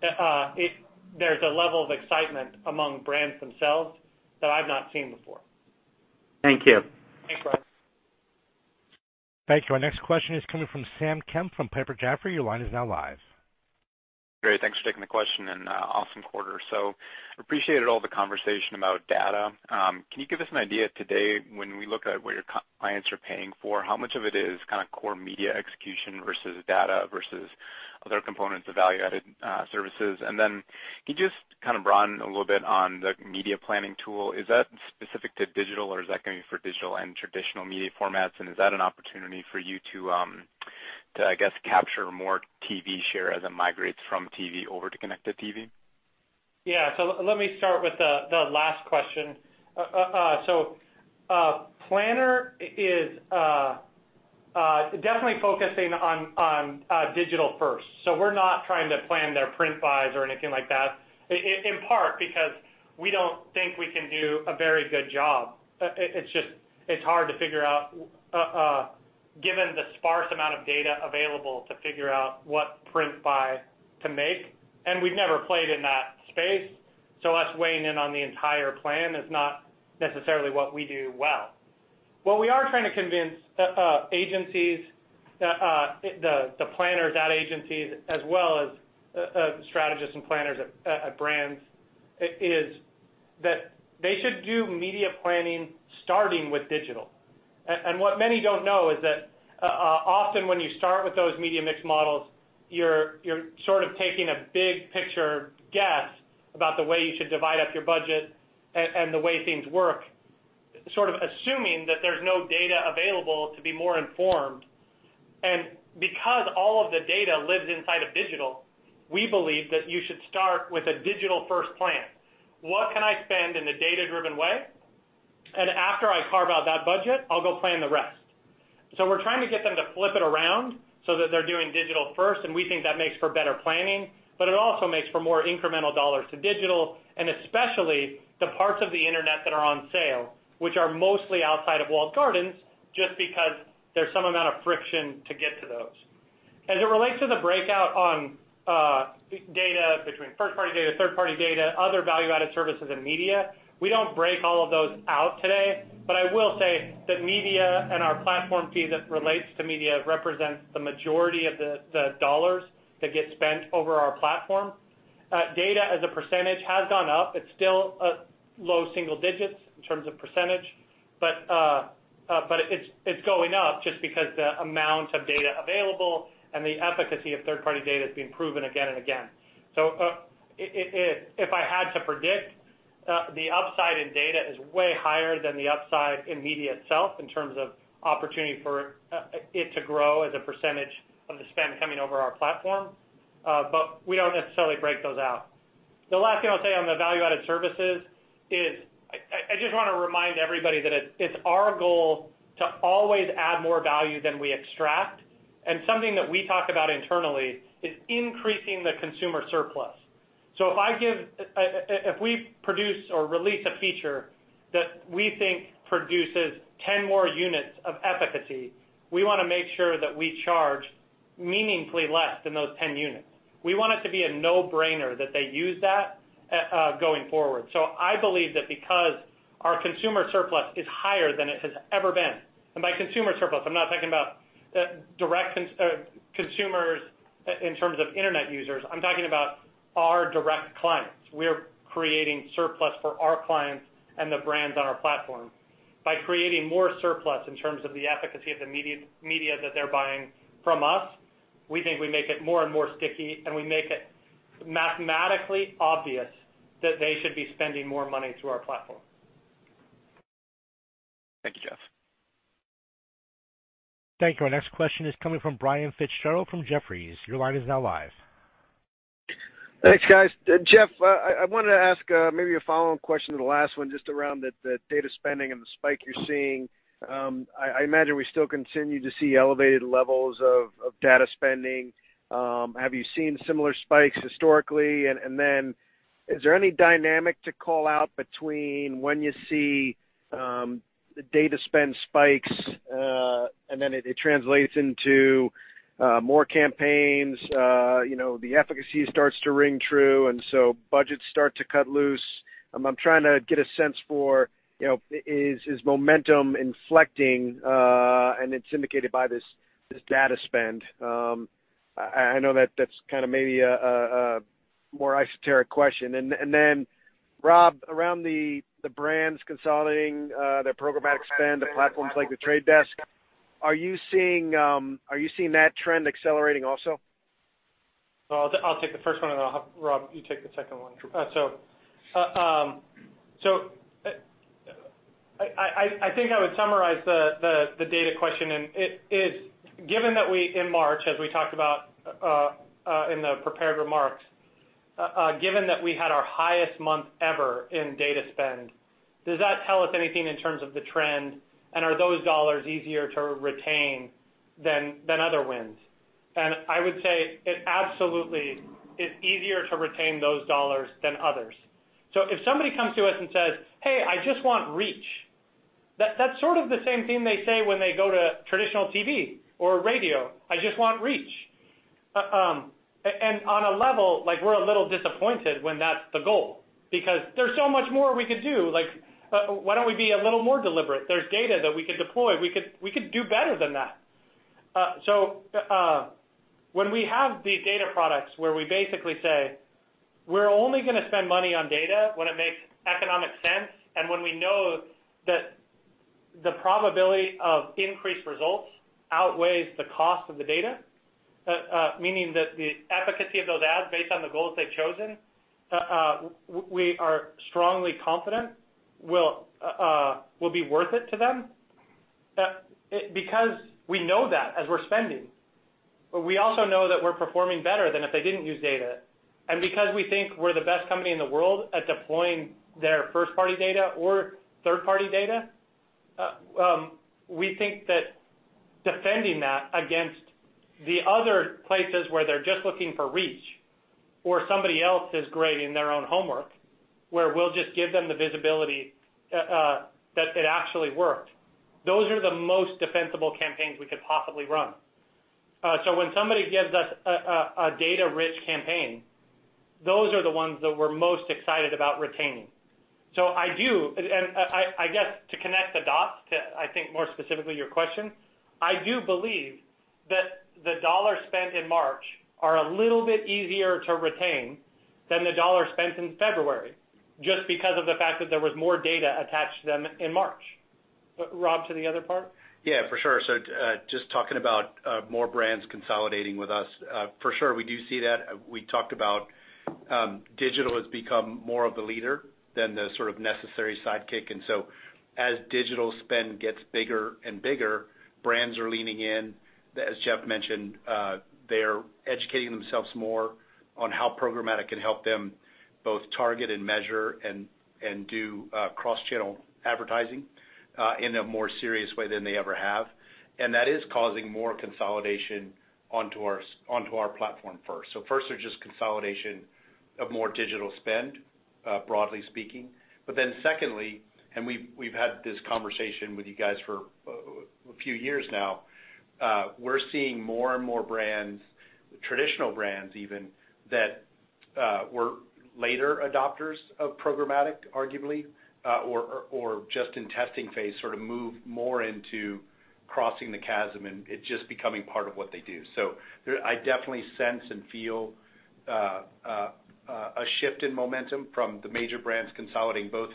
there's a level of excitement among brands themselves that I've not seen before. Thank you. Thanks, Brian. Thank you. Our next question is coming from Sam Kemp from Piper Jaffray. Your line is now live. Great. Thanks for taking the question, and awesome quarter. Appreciated all the conversation about data. Can you give us an idea today when we look at what your clients are paying for, how much of it is kind of core media execution versus data versus other components of value-added services? Then can you just kind of broaden a little bit on the media planning tool? Is that specific to digital, or is that going to be for digital and traditional media formats? And is that an opportunity for you to, I guess, capture more TV share as it migrates from TV over to connected TV? Let me start with the last question. Planner is definitely focusing on digital first. We're not trying to plan their print buys or anything like that, in part because we don't think we can do a very good job. It's hard to figure out, given the sparse amount of data available to figure out what print buy to make. We've never played in that space, so us weighing in on the entire plan is not necessarily what we do well. What we are trying to convince agencies, the planners at agencies as well as strategists and planners at brands, is that they should do media planning starting with digital. What many don't know is that, often when you start with those media mix models, you're sort of taking a big picture guess about the way you should divide up your budget and the way things work, sort of assuming that there's no data available to be more informed. Because all of the data lives inside of digital, we believe that you should start with a digital-first plan. What can I spend in a data-driven way? After I carve out that budget, I'll go plan the rest. We're trying to get them to flip it around so that they're doing digital first, and we think that makes for better planning, but it also makes for more incremental $ to digital and especially the parts of the internet that are on sale, which are mostly outside of walled gardens, just because there's some amount of friction to get to those. As it relates to the breakout on data between first-party data, third-party data, other value-added services and media, we don't break all of those out today, but I will say that media and our platform fee that relates to media represents the majority of the $ that get spent over our platform. Data as a percentage has gone up. It's still low single digits in terms of %, but it's going up just because the amount of data available and the efficacy of third-party data is being proven again and again. If I had to predict, the upside in data is way higher than the upside in media itself in terms of opportunity for it to grow as a percentage of the spend coming over our platform. We don't necessarily break those out. The last thing I'll say on the value-added services is, I just want to remind everybody that it's our goal to always add more value than we extract. Something that we talk about internally is increasing the consumer surplus. If we produce or release a feature that we think produces 10 more units of efficacy, we want to make sure that we charge meaningfully less than those 10 units. We want it to be a no-brainer that they use that going forward. I believe that because our consumer surplus is higher than it has ever been, and by consumer surplus, I'm not talking about consumers in terms of internet users. I'm talking about our direct clients. We're creating surplus for our clients and the brands on our platform. By creating more surplus in terms of the efficacy of the media that they're buying from us, we think we make it more and more sticky, and we make it mathematically obvious that they should be spending more money through our platform. Thank you, Jeff. Thank you. Our next question is coming from Brian Fitzgerald from Jefferies. Your line is now live. Thanks, guys. Jeff, I wanted to ask maybe a follow-up question to the last one, just around the data spending and the spike you're seeing. I imagine we still continue to see elevated levels of data spending. Have you seen similar spikes historically? Is there any dynamic to call out between when you see data spend spikes, and then it translates into more campaigns, the efficacy starts to ring true, and so budgets start to cut loose? I'm trying to get a sense for, is momentum inflecting, and it's indicated by this data spend? I know that that's kind of maybe a more esoteric question. Rob, around the brands consolidating their programmatic spend, the platforms like The Trade Desk, are you seeing that trend accelerating also? I'll take the first one, then Rob, you take the second one. I think I would summarize the data question, it is, given that we, in March, as we talked about in the prepared remarks, given that we had our highest month ever in data spend, does that tell us anything in terms of the trend? Are those dollars easier to retain than other wins? I would say it absolutely is easier to retain those dollars than others. If somebody comes to us and says, "Hey, I just want reach," that's sort of the same thing they say when they go to traditional TV or radio, "I just want reach." On a level, we're a little disappointed when that's the goal, because there's so much more we could do, like, why don't we be a little more deliberate? There's data that we could deploy. We could do better than that. When we have these data products where we basically say, we're only going to spend money on data when it makes economic sense and when we know that the probability of increased results outweighs the cost of the data, meaning that the efficacy of those ads, based on the goals they've chosen, we are strongly confident will be worth it to them because we know that as we're spending. We also know that we're performing better than if they didn't use data. Because we think we're the best company in the world at deploying their first-party data or third-party data, we think that defending that against the other places where they're just looking for reach or somebody else is grading their own homework, where we'll just give them the visibility that it actually worked. Those are the most defensible campaigns we could possibly run. When somebody gives us a data-rich campaign, those are the ones that we're most excited about retaining. I do, and I guess to connect the dots to, I think, more specifically your question, I do believe that the dollars spent in March are a little bit easier to retain than the dollars spent in February, just because of the fact that there was more data attached to them in March. Rob, to the other part? Yeah, for sure. Just talking about more brands consolidating with us. For sure, we do see that. We talked about digital has become more of the leader than the sort of necessary sidekick. As digital spend gets bigger and bigger, brands are leaning in. As Jeff mentioned, they're educating themselves more on how programmatic can help them both target and measure and do cross-channel advertising in a more serious way than they ever have. That is causing more consolidation onto our platform first. First, they're just consolidation of more digital spend, broadly speaking. Secondly, we've had this conversation with you guys for a few years now, we're seeing more and more brands, traditional brands even, that were later adopters of programmatic, arguably, or just in testing phase, sort of move more into crossing the chasm, and it just becoming part of what they do. I definitely sense and feel a shift in momentum from the major brands consolidating both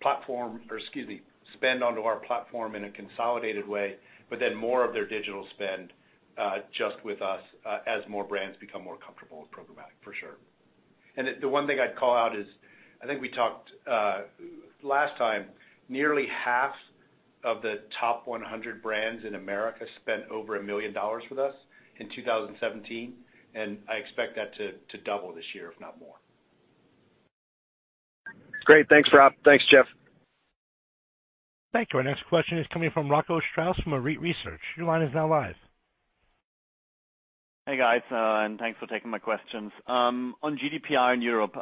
platform, or excuse me, spend onto our platform in a consolidated way, but then more of their digital spend just with us as more brands become more comfortable with programmatic, for sure. The one thing I'd call out is, I think we talked last time, nearly half of the top 100 brands in America spent over $1 million with us in 2017, and I expect that to double this year, if not more. Great. Thanks, Rob. Thanks, Jeff. Thank you. Our next question is coming from Rocco Strauss from Arete Research. Your line is now live. Hey, guys, thanks for taking my questions. On GDPR in Europe,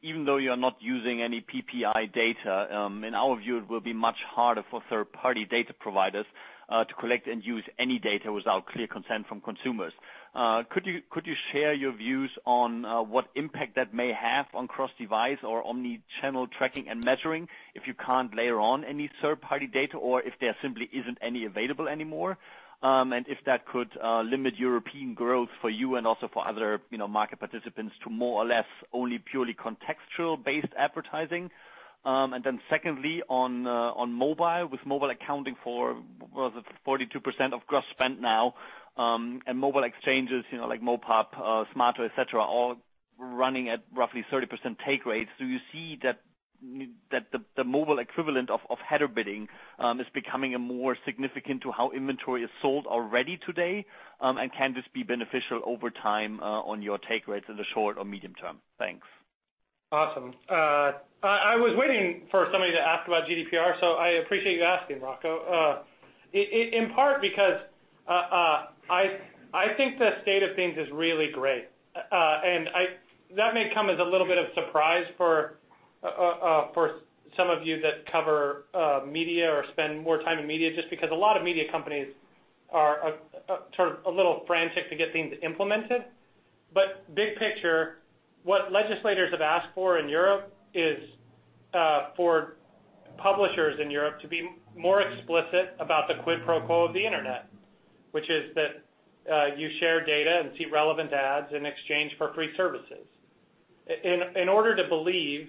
even though you're not using any PII data, in our view, it will be much harder for third-party data providers to collect and use any data without clear consent from consumers. Could you share your views on what impact that may have on cross-device or omni-channel tracking and measuring if you can't layer on any third-party data or if there simply isn't any available anymore, and if that could limit European growth for you and also for other market participants to more or less only purely contextual-based advertising? Secondly, on mobile, with mobile accounting for, what was it, 42% of gross spend now, and mobile exchanges, like MoPub, Smaato, et cetera, all running at roughly 30% take rates, do you see that the mobile equivalent of header bidding is becoming more significant to how inventory is sold already today? Can this be beneficial over time on your take rates in the short or medium term? Thanks. Awesome. I was waiting for somebody to ask about GDPR, so I appreciate you asking, Rocco. In part because I think the state of things is really great. That may come as a little bit of a surprise for some of you that cover media or spend more time in media, just because a lot of media companies are sort of a little frantic to get things implemented. Big picture, what legislators have asked for in Europe is for publishers in Europe to be more explicit about the quid pro quo of the Internet, which is that you share data and see relevant ads in exchange for free services. In order to believe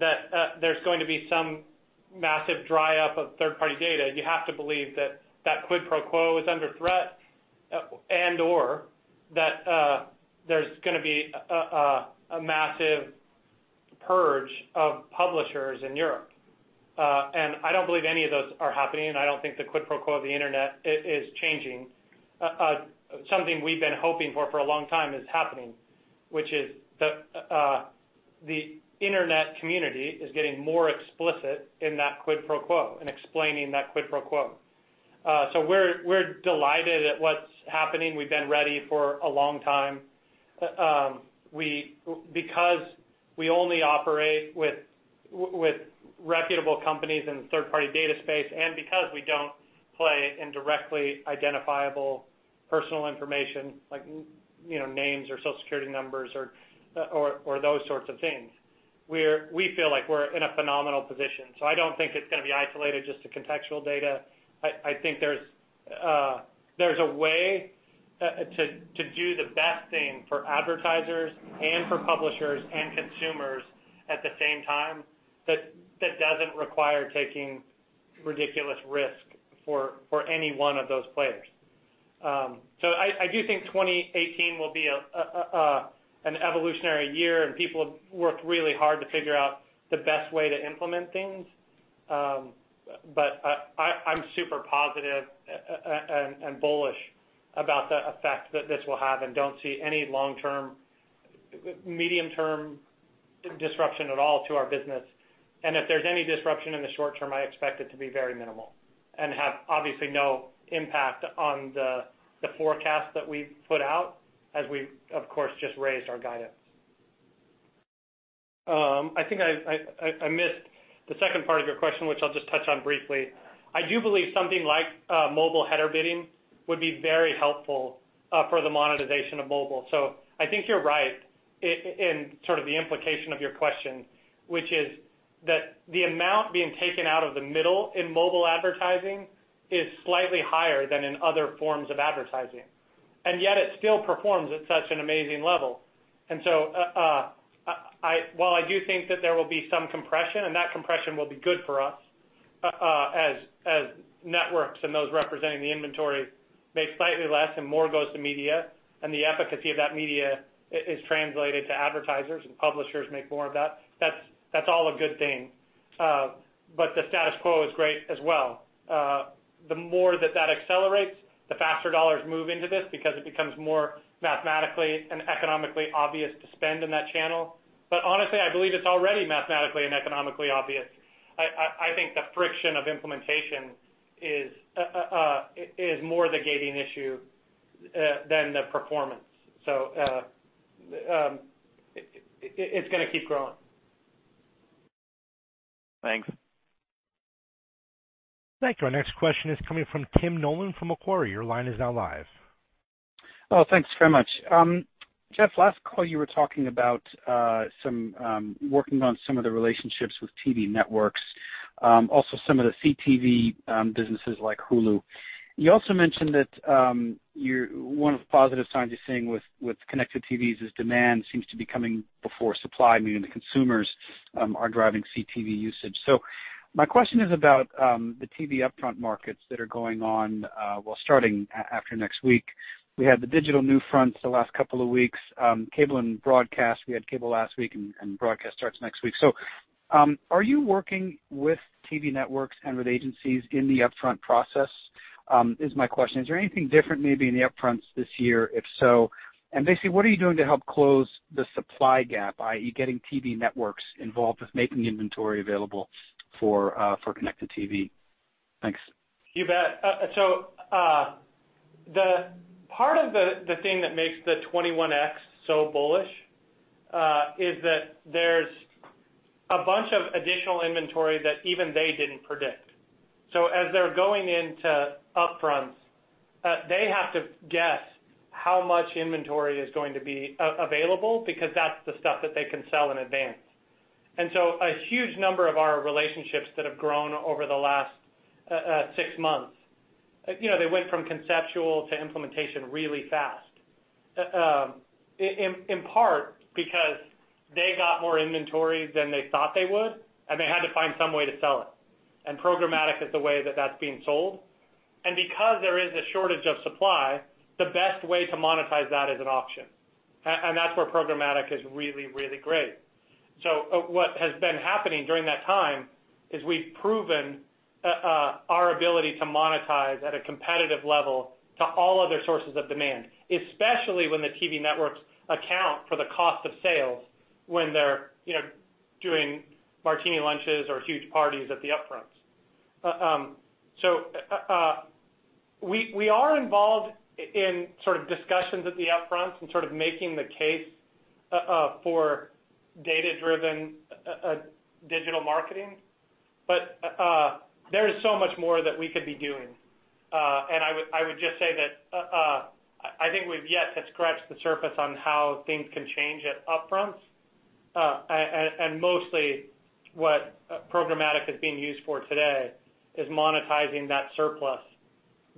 that there's going to be some massive dry up of third-party data, you have to believe that quid pro quo is under threat and/or that there's going to be a massive purge of publishers in Europe. I don't believe any of those are happening, and I don't think the quid pro quo of the Internet is changing. Something we've been hoping for for a long time is happening, which is the Internet community is getting more explicit in that quid pro quo and explaining that quid pro quo. We're delighted at what's happening. We've been ready for a long time. Because we only operate with reputable companies in the third-party data space, and because we don't play in directly identifiable personal information like names or Social Security numbers or those sorts of things, we feel like we're in a phenomenal position. I don't think it's going to be isolated just to contextual data. I think there's a way to do the best thing for advertisers and for publishers and consumers at the same time that doesn't require taking ridiculous risk for any one of those players. I do think 2018 will be an evolutionary year, and people have worked really hard to figure out the best way to implement things. I'm super positive and bullish about the effect that this will have and don't see any long-term, medium-term disruption at all to our business. If there's any disruption in the short term, I expect it to be very minimal and have obviously no impact on the forecast that we've put out as we, of course, just raised our guidance. I think I missed the second part of your question, which I'll just touch on briefly. I do believe something like mobile header bidding would be very helpful for the monetization of mobile. I think you're right in sort of the implication of your question, which is that the amount being taken out of the middle in mobile advertising is slightly higher than in other forms of advertising, and yet it still performs at such an amazing level. While I do think that there will be some compression, and that compression will be good for us, as networks and those representing the inventory make slightly less and more goes to media, and the efficacy of that media is translated to advertisers and publishers make more of that. That's all a good thing. The status quo is great as well. The more that accelerates, the faster dollars move into this because it becomes more mathematically and economically obvious to spend in that channel. Honestly, I believe it's already mathematically and economically obvious. I think the friction of implementation is more the gating issue than the performance. It's going to keep growing. Thanks. Thank you. Our next question is coming from Tim Nollen from Macquarie. Your line is now live. Thanks very much. Jeff, last call you were talking about working on some of the relationships with TV networks, also some of the CTV businesses like Hulu. You also mentioned that one of the positive signs you're seeing with connected TVs is demand seems to be coming before supply, meaning the consumers are driving CTV usage. My question is about the TV upfront markets that are going on, starting after next week. We had the digital new fronts the last couple of weeks, cable and broadcast. We had cable last week and broadcast starts next week. Are you working with TV networks and with agencies in the upfront process is my question. Is there anything different maybe in the upfronts this year? If so, and basically what are you doing to help close the supply gap, i.e. getting TV networks involved with making inventory available for connected TV? Thanks. You bet. The part of the thing that makes the 21X so bullish, is that there's a bunch of additional inventory that even they didn't predict. As they're going into upfronts, they have to guess how much inventory is going to be available because that's the stuff that they can sell in advance. A huge number of our relationships that have grown over the last six months, they went from conceptual to implementation really fast. In part because they got more inventory than they thought they would, and they had to find some way to sell it. Programmatic is the way that that's being sold. Because there is a shortage of supply, the best way to monetize that is an auction. That's where programmatic is really, really great. What has been happening during that time is we've proven our ability to monetize at a competitive level to all other sources of demand, especially when the TV networks account for the cost of sales when they're doing martini lunches or huge parties at the upfronts. We are involved in sort of discussions at the upfronts and sort of making the case for data-driven digital marketing. There is so much more that we could be doing. I would just say that I think we've yet to scratch the surface on how things can change at upfronts. Mostly what programmatic is being used for today is monetizing that surplus.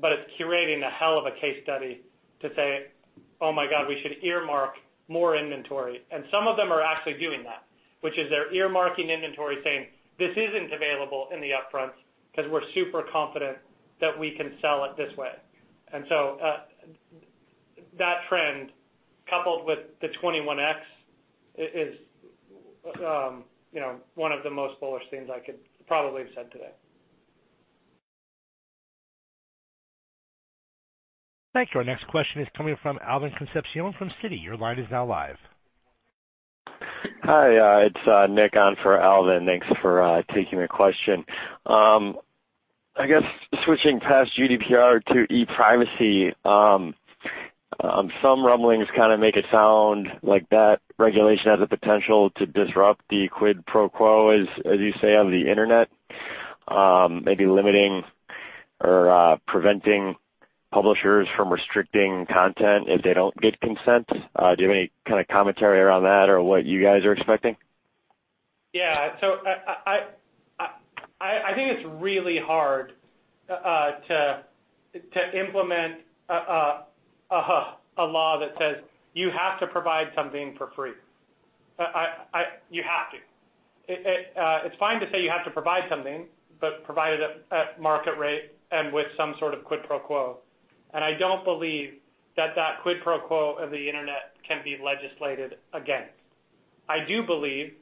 It's curating a hell of a case study to say, "Oh my God, we should earmark more inventory." Some of them are actually doing that, which is they're earmarking inventory saying, "This isn't available in the upfront because we're super confident that we can sell it this way." That trend coupled with the 21X is one of the most bullish things I could probably have said today. Thank you. Our next question is coming from Alvin Concepcion from Citi. Your line is now live. Hi, it's Nick on for Alvin. Thanks for taking the question. I guess switching past GDPR to e-privacy, some rumblings kind of make it sound like that regulation has the potential to disrupt the quid pro quo as you say, on the internet. Maybe limiting or preventing publishers from restricting content if they don't get consent. Do you have any kind of commentary around that or what you guys are expecting? Yeah. I think it's really hard to implement a law that says you have to provide something for free. You have to. It's fine to say you have to provide something, but provide it at market rate and with some sort of quid pro quo. I don't believe that quid pro quo of the internet can be legislated again. I do believe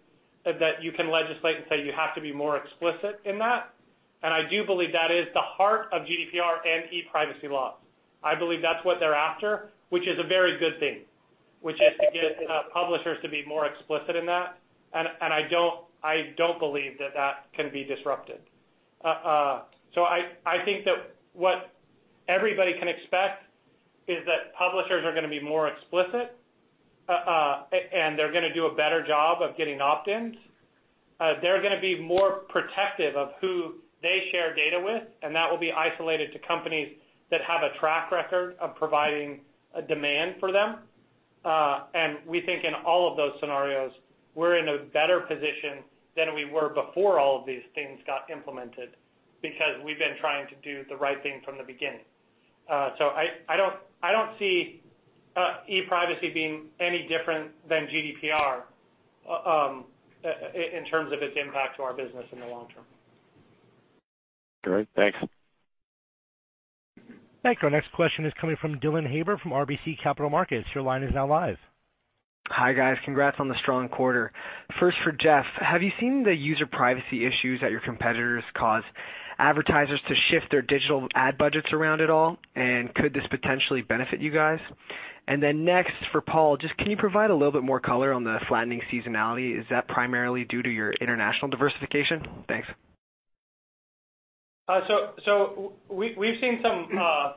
that you can legislate and say you have to be more explicit in that. I do believe that is the heart of GDPR and e-privacy laws. I believe that's what they're after, which is a very good thing, which is to get publishers to be more explicit in that. I don't believe that can be disrupted. I think that what everybody can expect is that publishers are going to be more explicit, and they're going to do a better job of getting opt-ins. They're going to be more protective of who they share data with, and that will be isolated to companies that have a track record of providing a demand for them. We think in all of those scenarios, we're in a better position than we were before all of these things got implemented, because we've been trying to do the right thing from the beginning. I don't see e-privacy being any different than GDPR in terms of its impact to our business in the long term. Great. Thanks. Thank you. Our next question is coming from Dylan Haber from RBC Capital Markets. Your line is now live. Hi, guys. Congrats on the strong quarter. First for Jeff, have you seen the user privacy issues that your competitors cause advertisers to shift their digital ad budgets around at all? Could this potentially benefit you guys? Next for Paul, just can you provide a little bit more color on the flattening seasonality? Is that primarily due to your international diversification? Thanks. We've seen some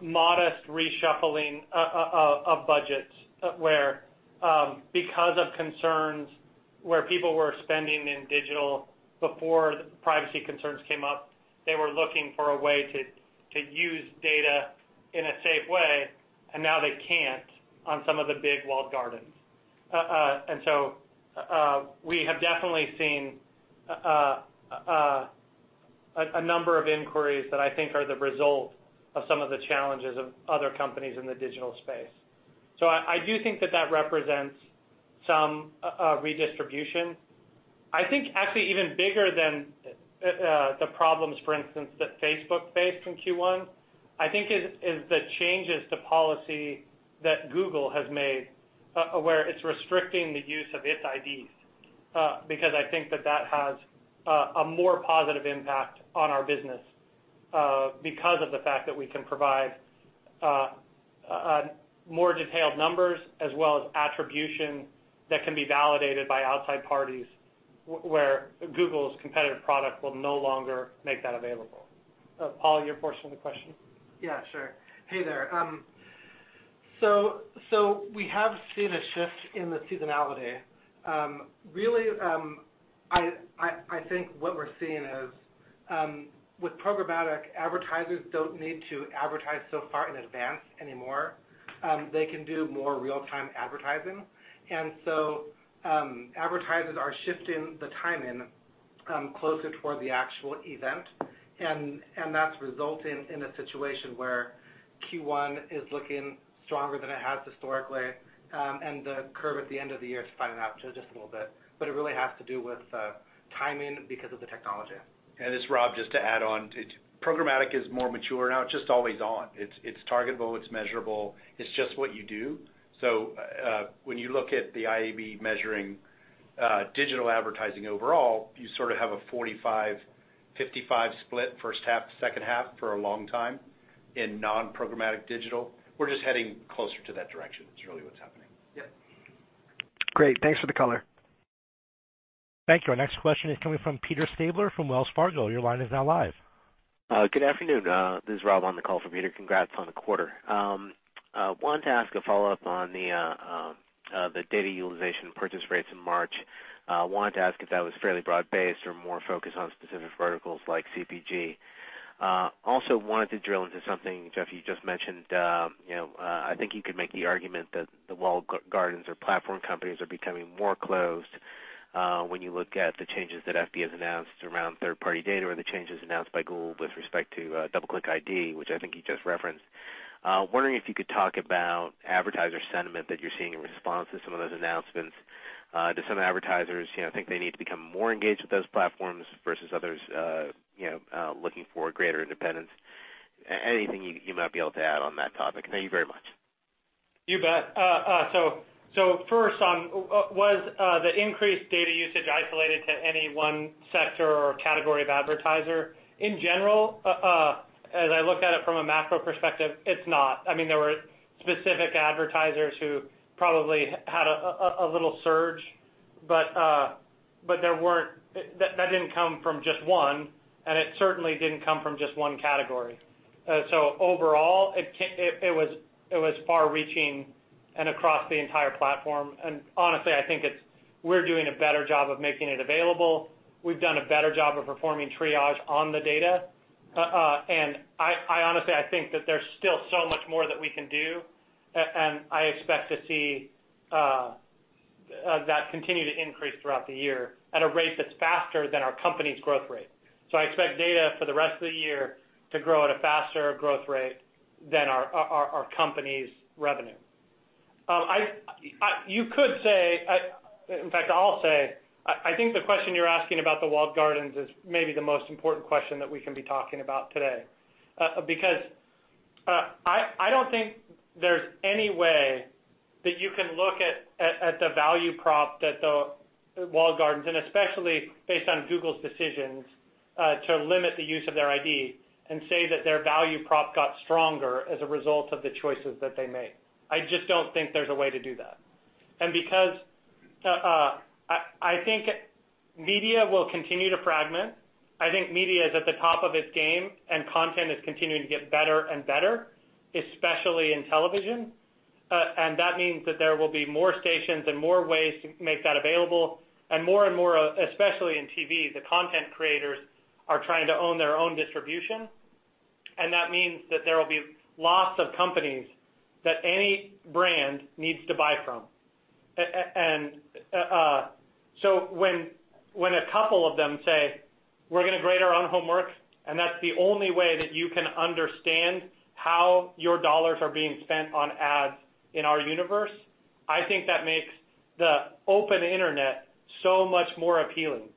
modest reshuffling of budgets where because of concerns where people were spending in digital before the privacy concerns came up, they were looking for a way to use data in a safe way, and now they can't on some of the big walled gardens. We have definitely seen a number of inquiries that I think are the result of some of the challenges of other companies in the digital space. I do think that represents some redistribution. I think actually even bigger than the problems, for instance, that Facebook faced in Q1, I think is the changes to policy that Google has made where it's restricting the use of its IDs because I think that has a more positive impact on our business because of the fact that we can provide more detailed numbers as well as attribution that can be validated by outside parties where Google's competitive product will no longer make that available. Paul, your portion of the question? Yeah, sure. Hey there. We have seen a shift in the seasonality. Really, I think what we're seeing is with programmatic, advertisers don't need to advertise so far in advance anymore. They can do more real-time advertising. Advertisers are shifting the timing closer toward the actual event, and that's resulting in a situation where Q1 is looking stronger than it has historically, and the curve at the end of the year is flattening out just a little bit. It really has to do with timing because of the technology. This is Rob just to add on to it. Programmatic is more mature now. It's just always on. It's targetable, it's measurable. It's just what you do. When you look at the IAB measuring digital advertising overall, you sort of have a 45/55 split first half to second half for a long time in non-programmatic digital. We're just heading closer to that direction is really what's happening. Yep. Great. Thanks for the color. Thank you. Our next question is coming from Peter Stabler from Wells Fargo. Your line is now live. Good afternoon. This is Rob on the call from Peter. Congrats on the quarter. Wanted to ask a follow-up on the data utilization purchase rates in March. Wanted to ask if that was fairly broad-based or more focused on specific verticals like CPG. Also wanted to drill into something, Jeff, you just mentioned. I think you could make the argument that the walled gardens or platform companies are becoming more closed when you look at the changes that FB has announced around third-party data or the changes announced by Google with respect to DoubleClick ID, which I think you just referenced. Wondering if you could talk about advertiser sentiment that you're seeing in response to some of those announcements. Do some advertisers think they need to become more engaged with those platforms versus others looking for greater independence? Anything you might be able to add on that topic. Thank you very much. You bet. First on, was the increased data usage isolated to any one sector or category of advertiser? In general, as I look at it from a macro perspective, it's not. There were specific advertisers who probably had a little surge, that didn't come from just one, and it certainly didn't come from just one category. Overall, it was far-reaching and across the entire platform. Honestly, I think we're doing a better job of making it available. We've done a better job of performing triage on the data. Honestly, I think that there's still so much more that we can do, and I expect to see that continue to increase throughout the year at a rate that's faster than our company's growth rate. I expect data for the rest of the year to grow at a faster growth rate than our company's revenue. You could say, in fact, I'll say, I think the question you're asking about the walled gardens is maybe the most important question that we can be talking about today because I don't think there's any way that you can look at the value prop that the walled gardens, and especially based on Google's decisions to limit the use of their ID and say that their value prop got stronger as a result of the choices that they made. I just don't think there's a way to do that. Because I think media will continue to fragment. I think media is at the top of its game and content is continuing to get better and better, especially in television. That means that there will be more stations and more ways to make that available, and more and more, especially in TV, the content creators are trying to own their own distribution. That means that there will be lots of companies that any brand needs to buy from. When a couple of them say, "We're going to grade our own homework, and that's the only way that you can understand how your dollars are being spent on ads in our universe," I think that makes the open internet so much more appealing.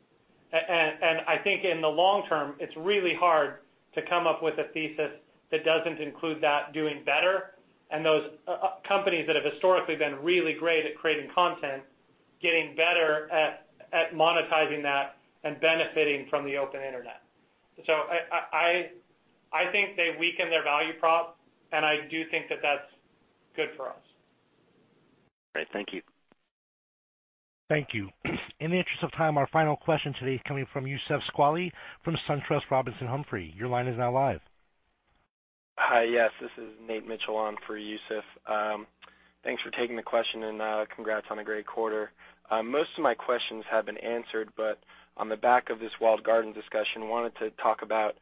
I think in the long term, it's really hard to come up with a thesis that doesn't include that doing better and those companies that have historically been really great at creating content, getting better at monetizing that and benefiting from the open internet. I think they weaken their value prop, and I do think that that's good for us. Great. Thank you. Thank you. In the interest of time, our final question today is coming from Youssef Squali from SunTrust Robinson Humphrey. Your line is now live. Hi, yes, this is Nate Mitchell on for Youssef. Thanks for taking the question. Congrats on a great quarter. On the back of this walled garden discussion, wanted to talk about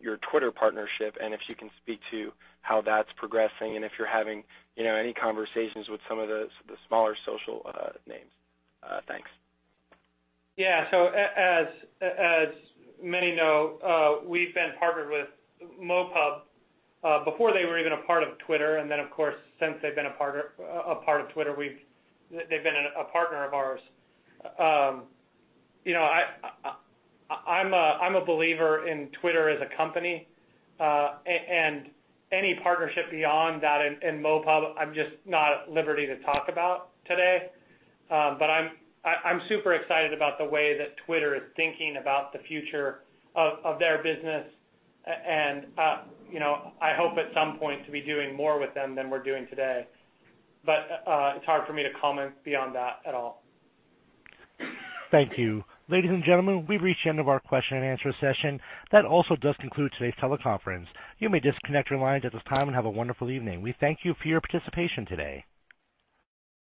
your Twitter partnership and if you can speak to how that's progressing and if you're having any conversations with some of the smaller social names. Thanks. Yeah. As many know, we've been partnered with MoPub before they were even a part of Twitter. Of course, since they've been a part of Twitter, they've been a partner of ours. I'm a believer in Twitter as a company. Any partnership beyond that and MoPub, I'm just not at liberty to talk about today. I'm super excited about the way that Twitter is thinking about the future of their business. I hope at some point to be doing more with them than we're doing today. It's hard for me to comment beyond that at all. Thank you. Ladies and gentlemen, we've reached the end of our question and answer session. That also does conclude today's teleconference. You may disconnect your lines at this time and have a wonderful evening. We thank you for your participation today.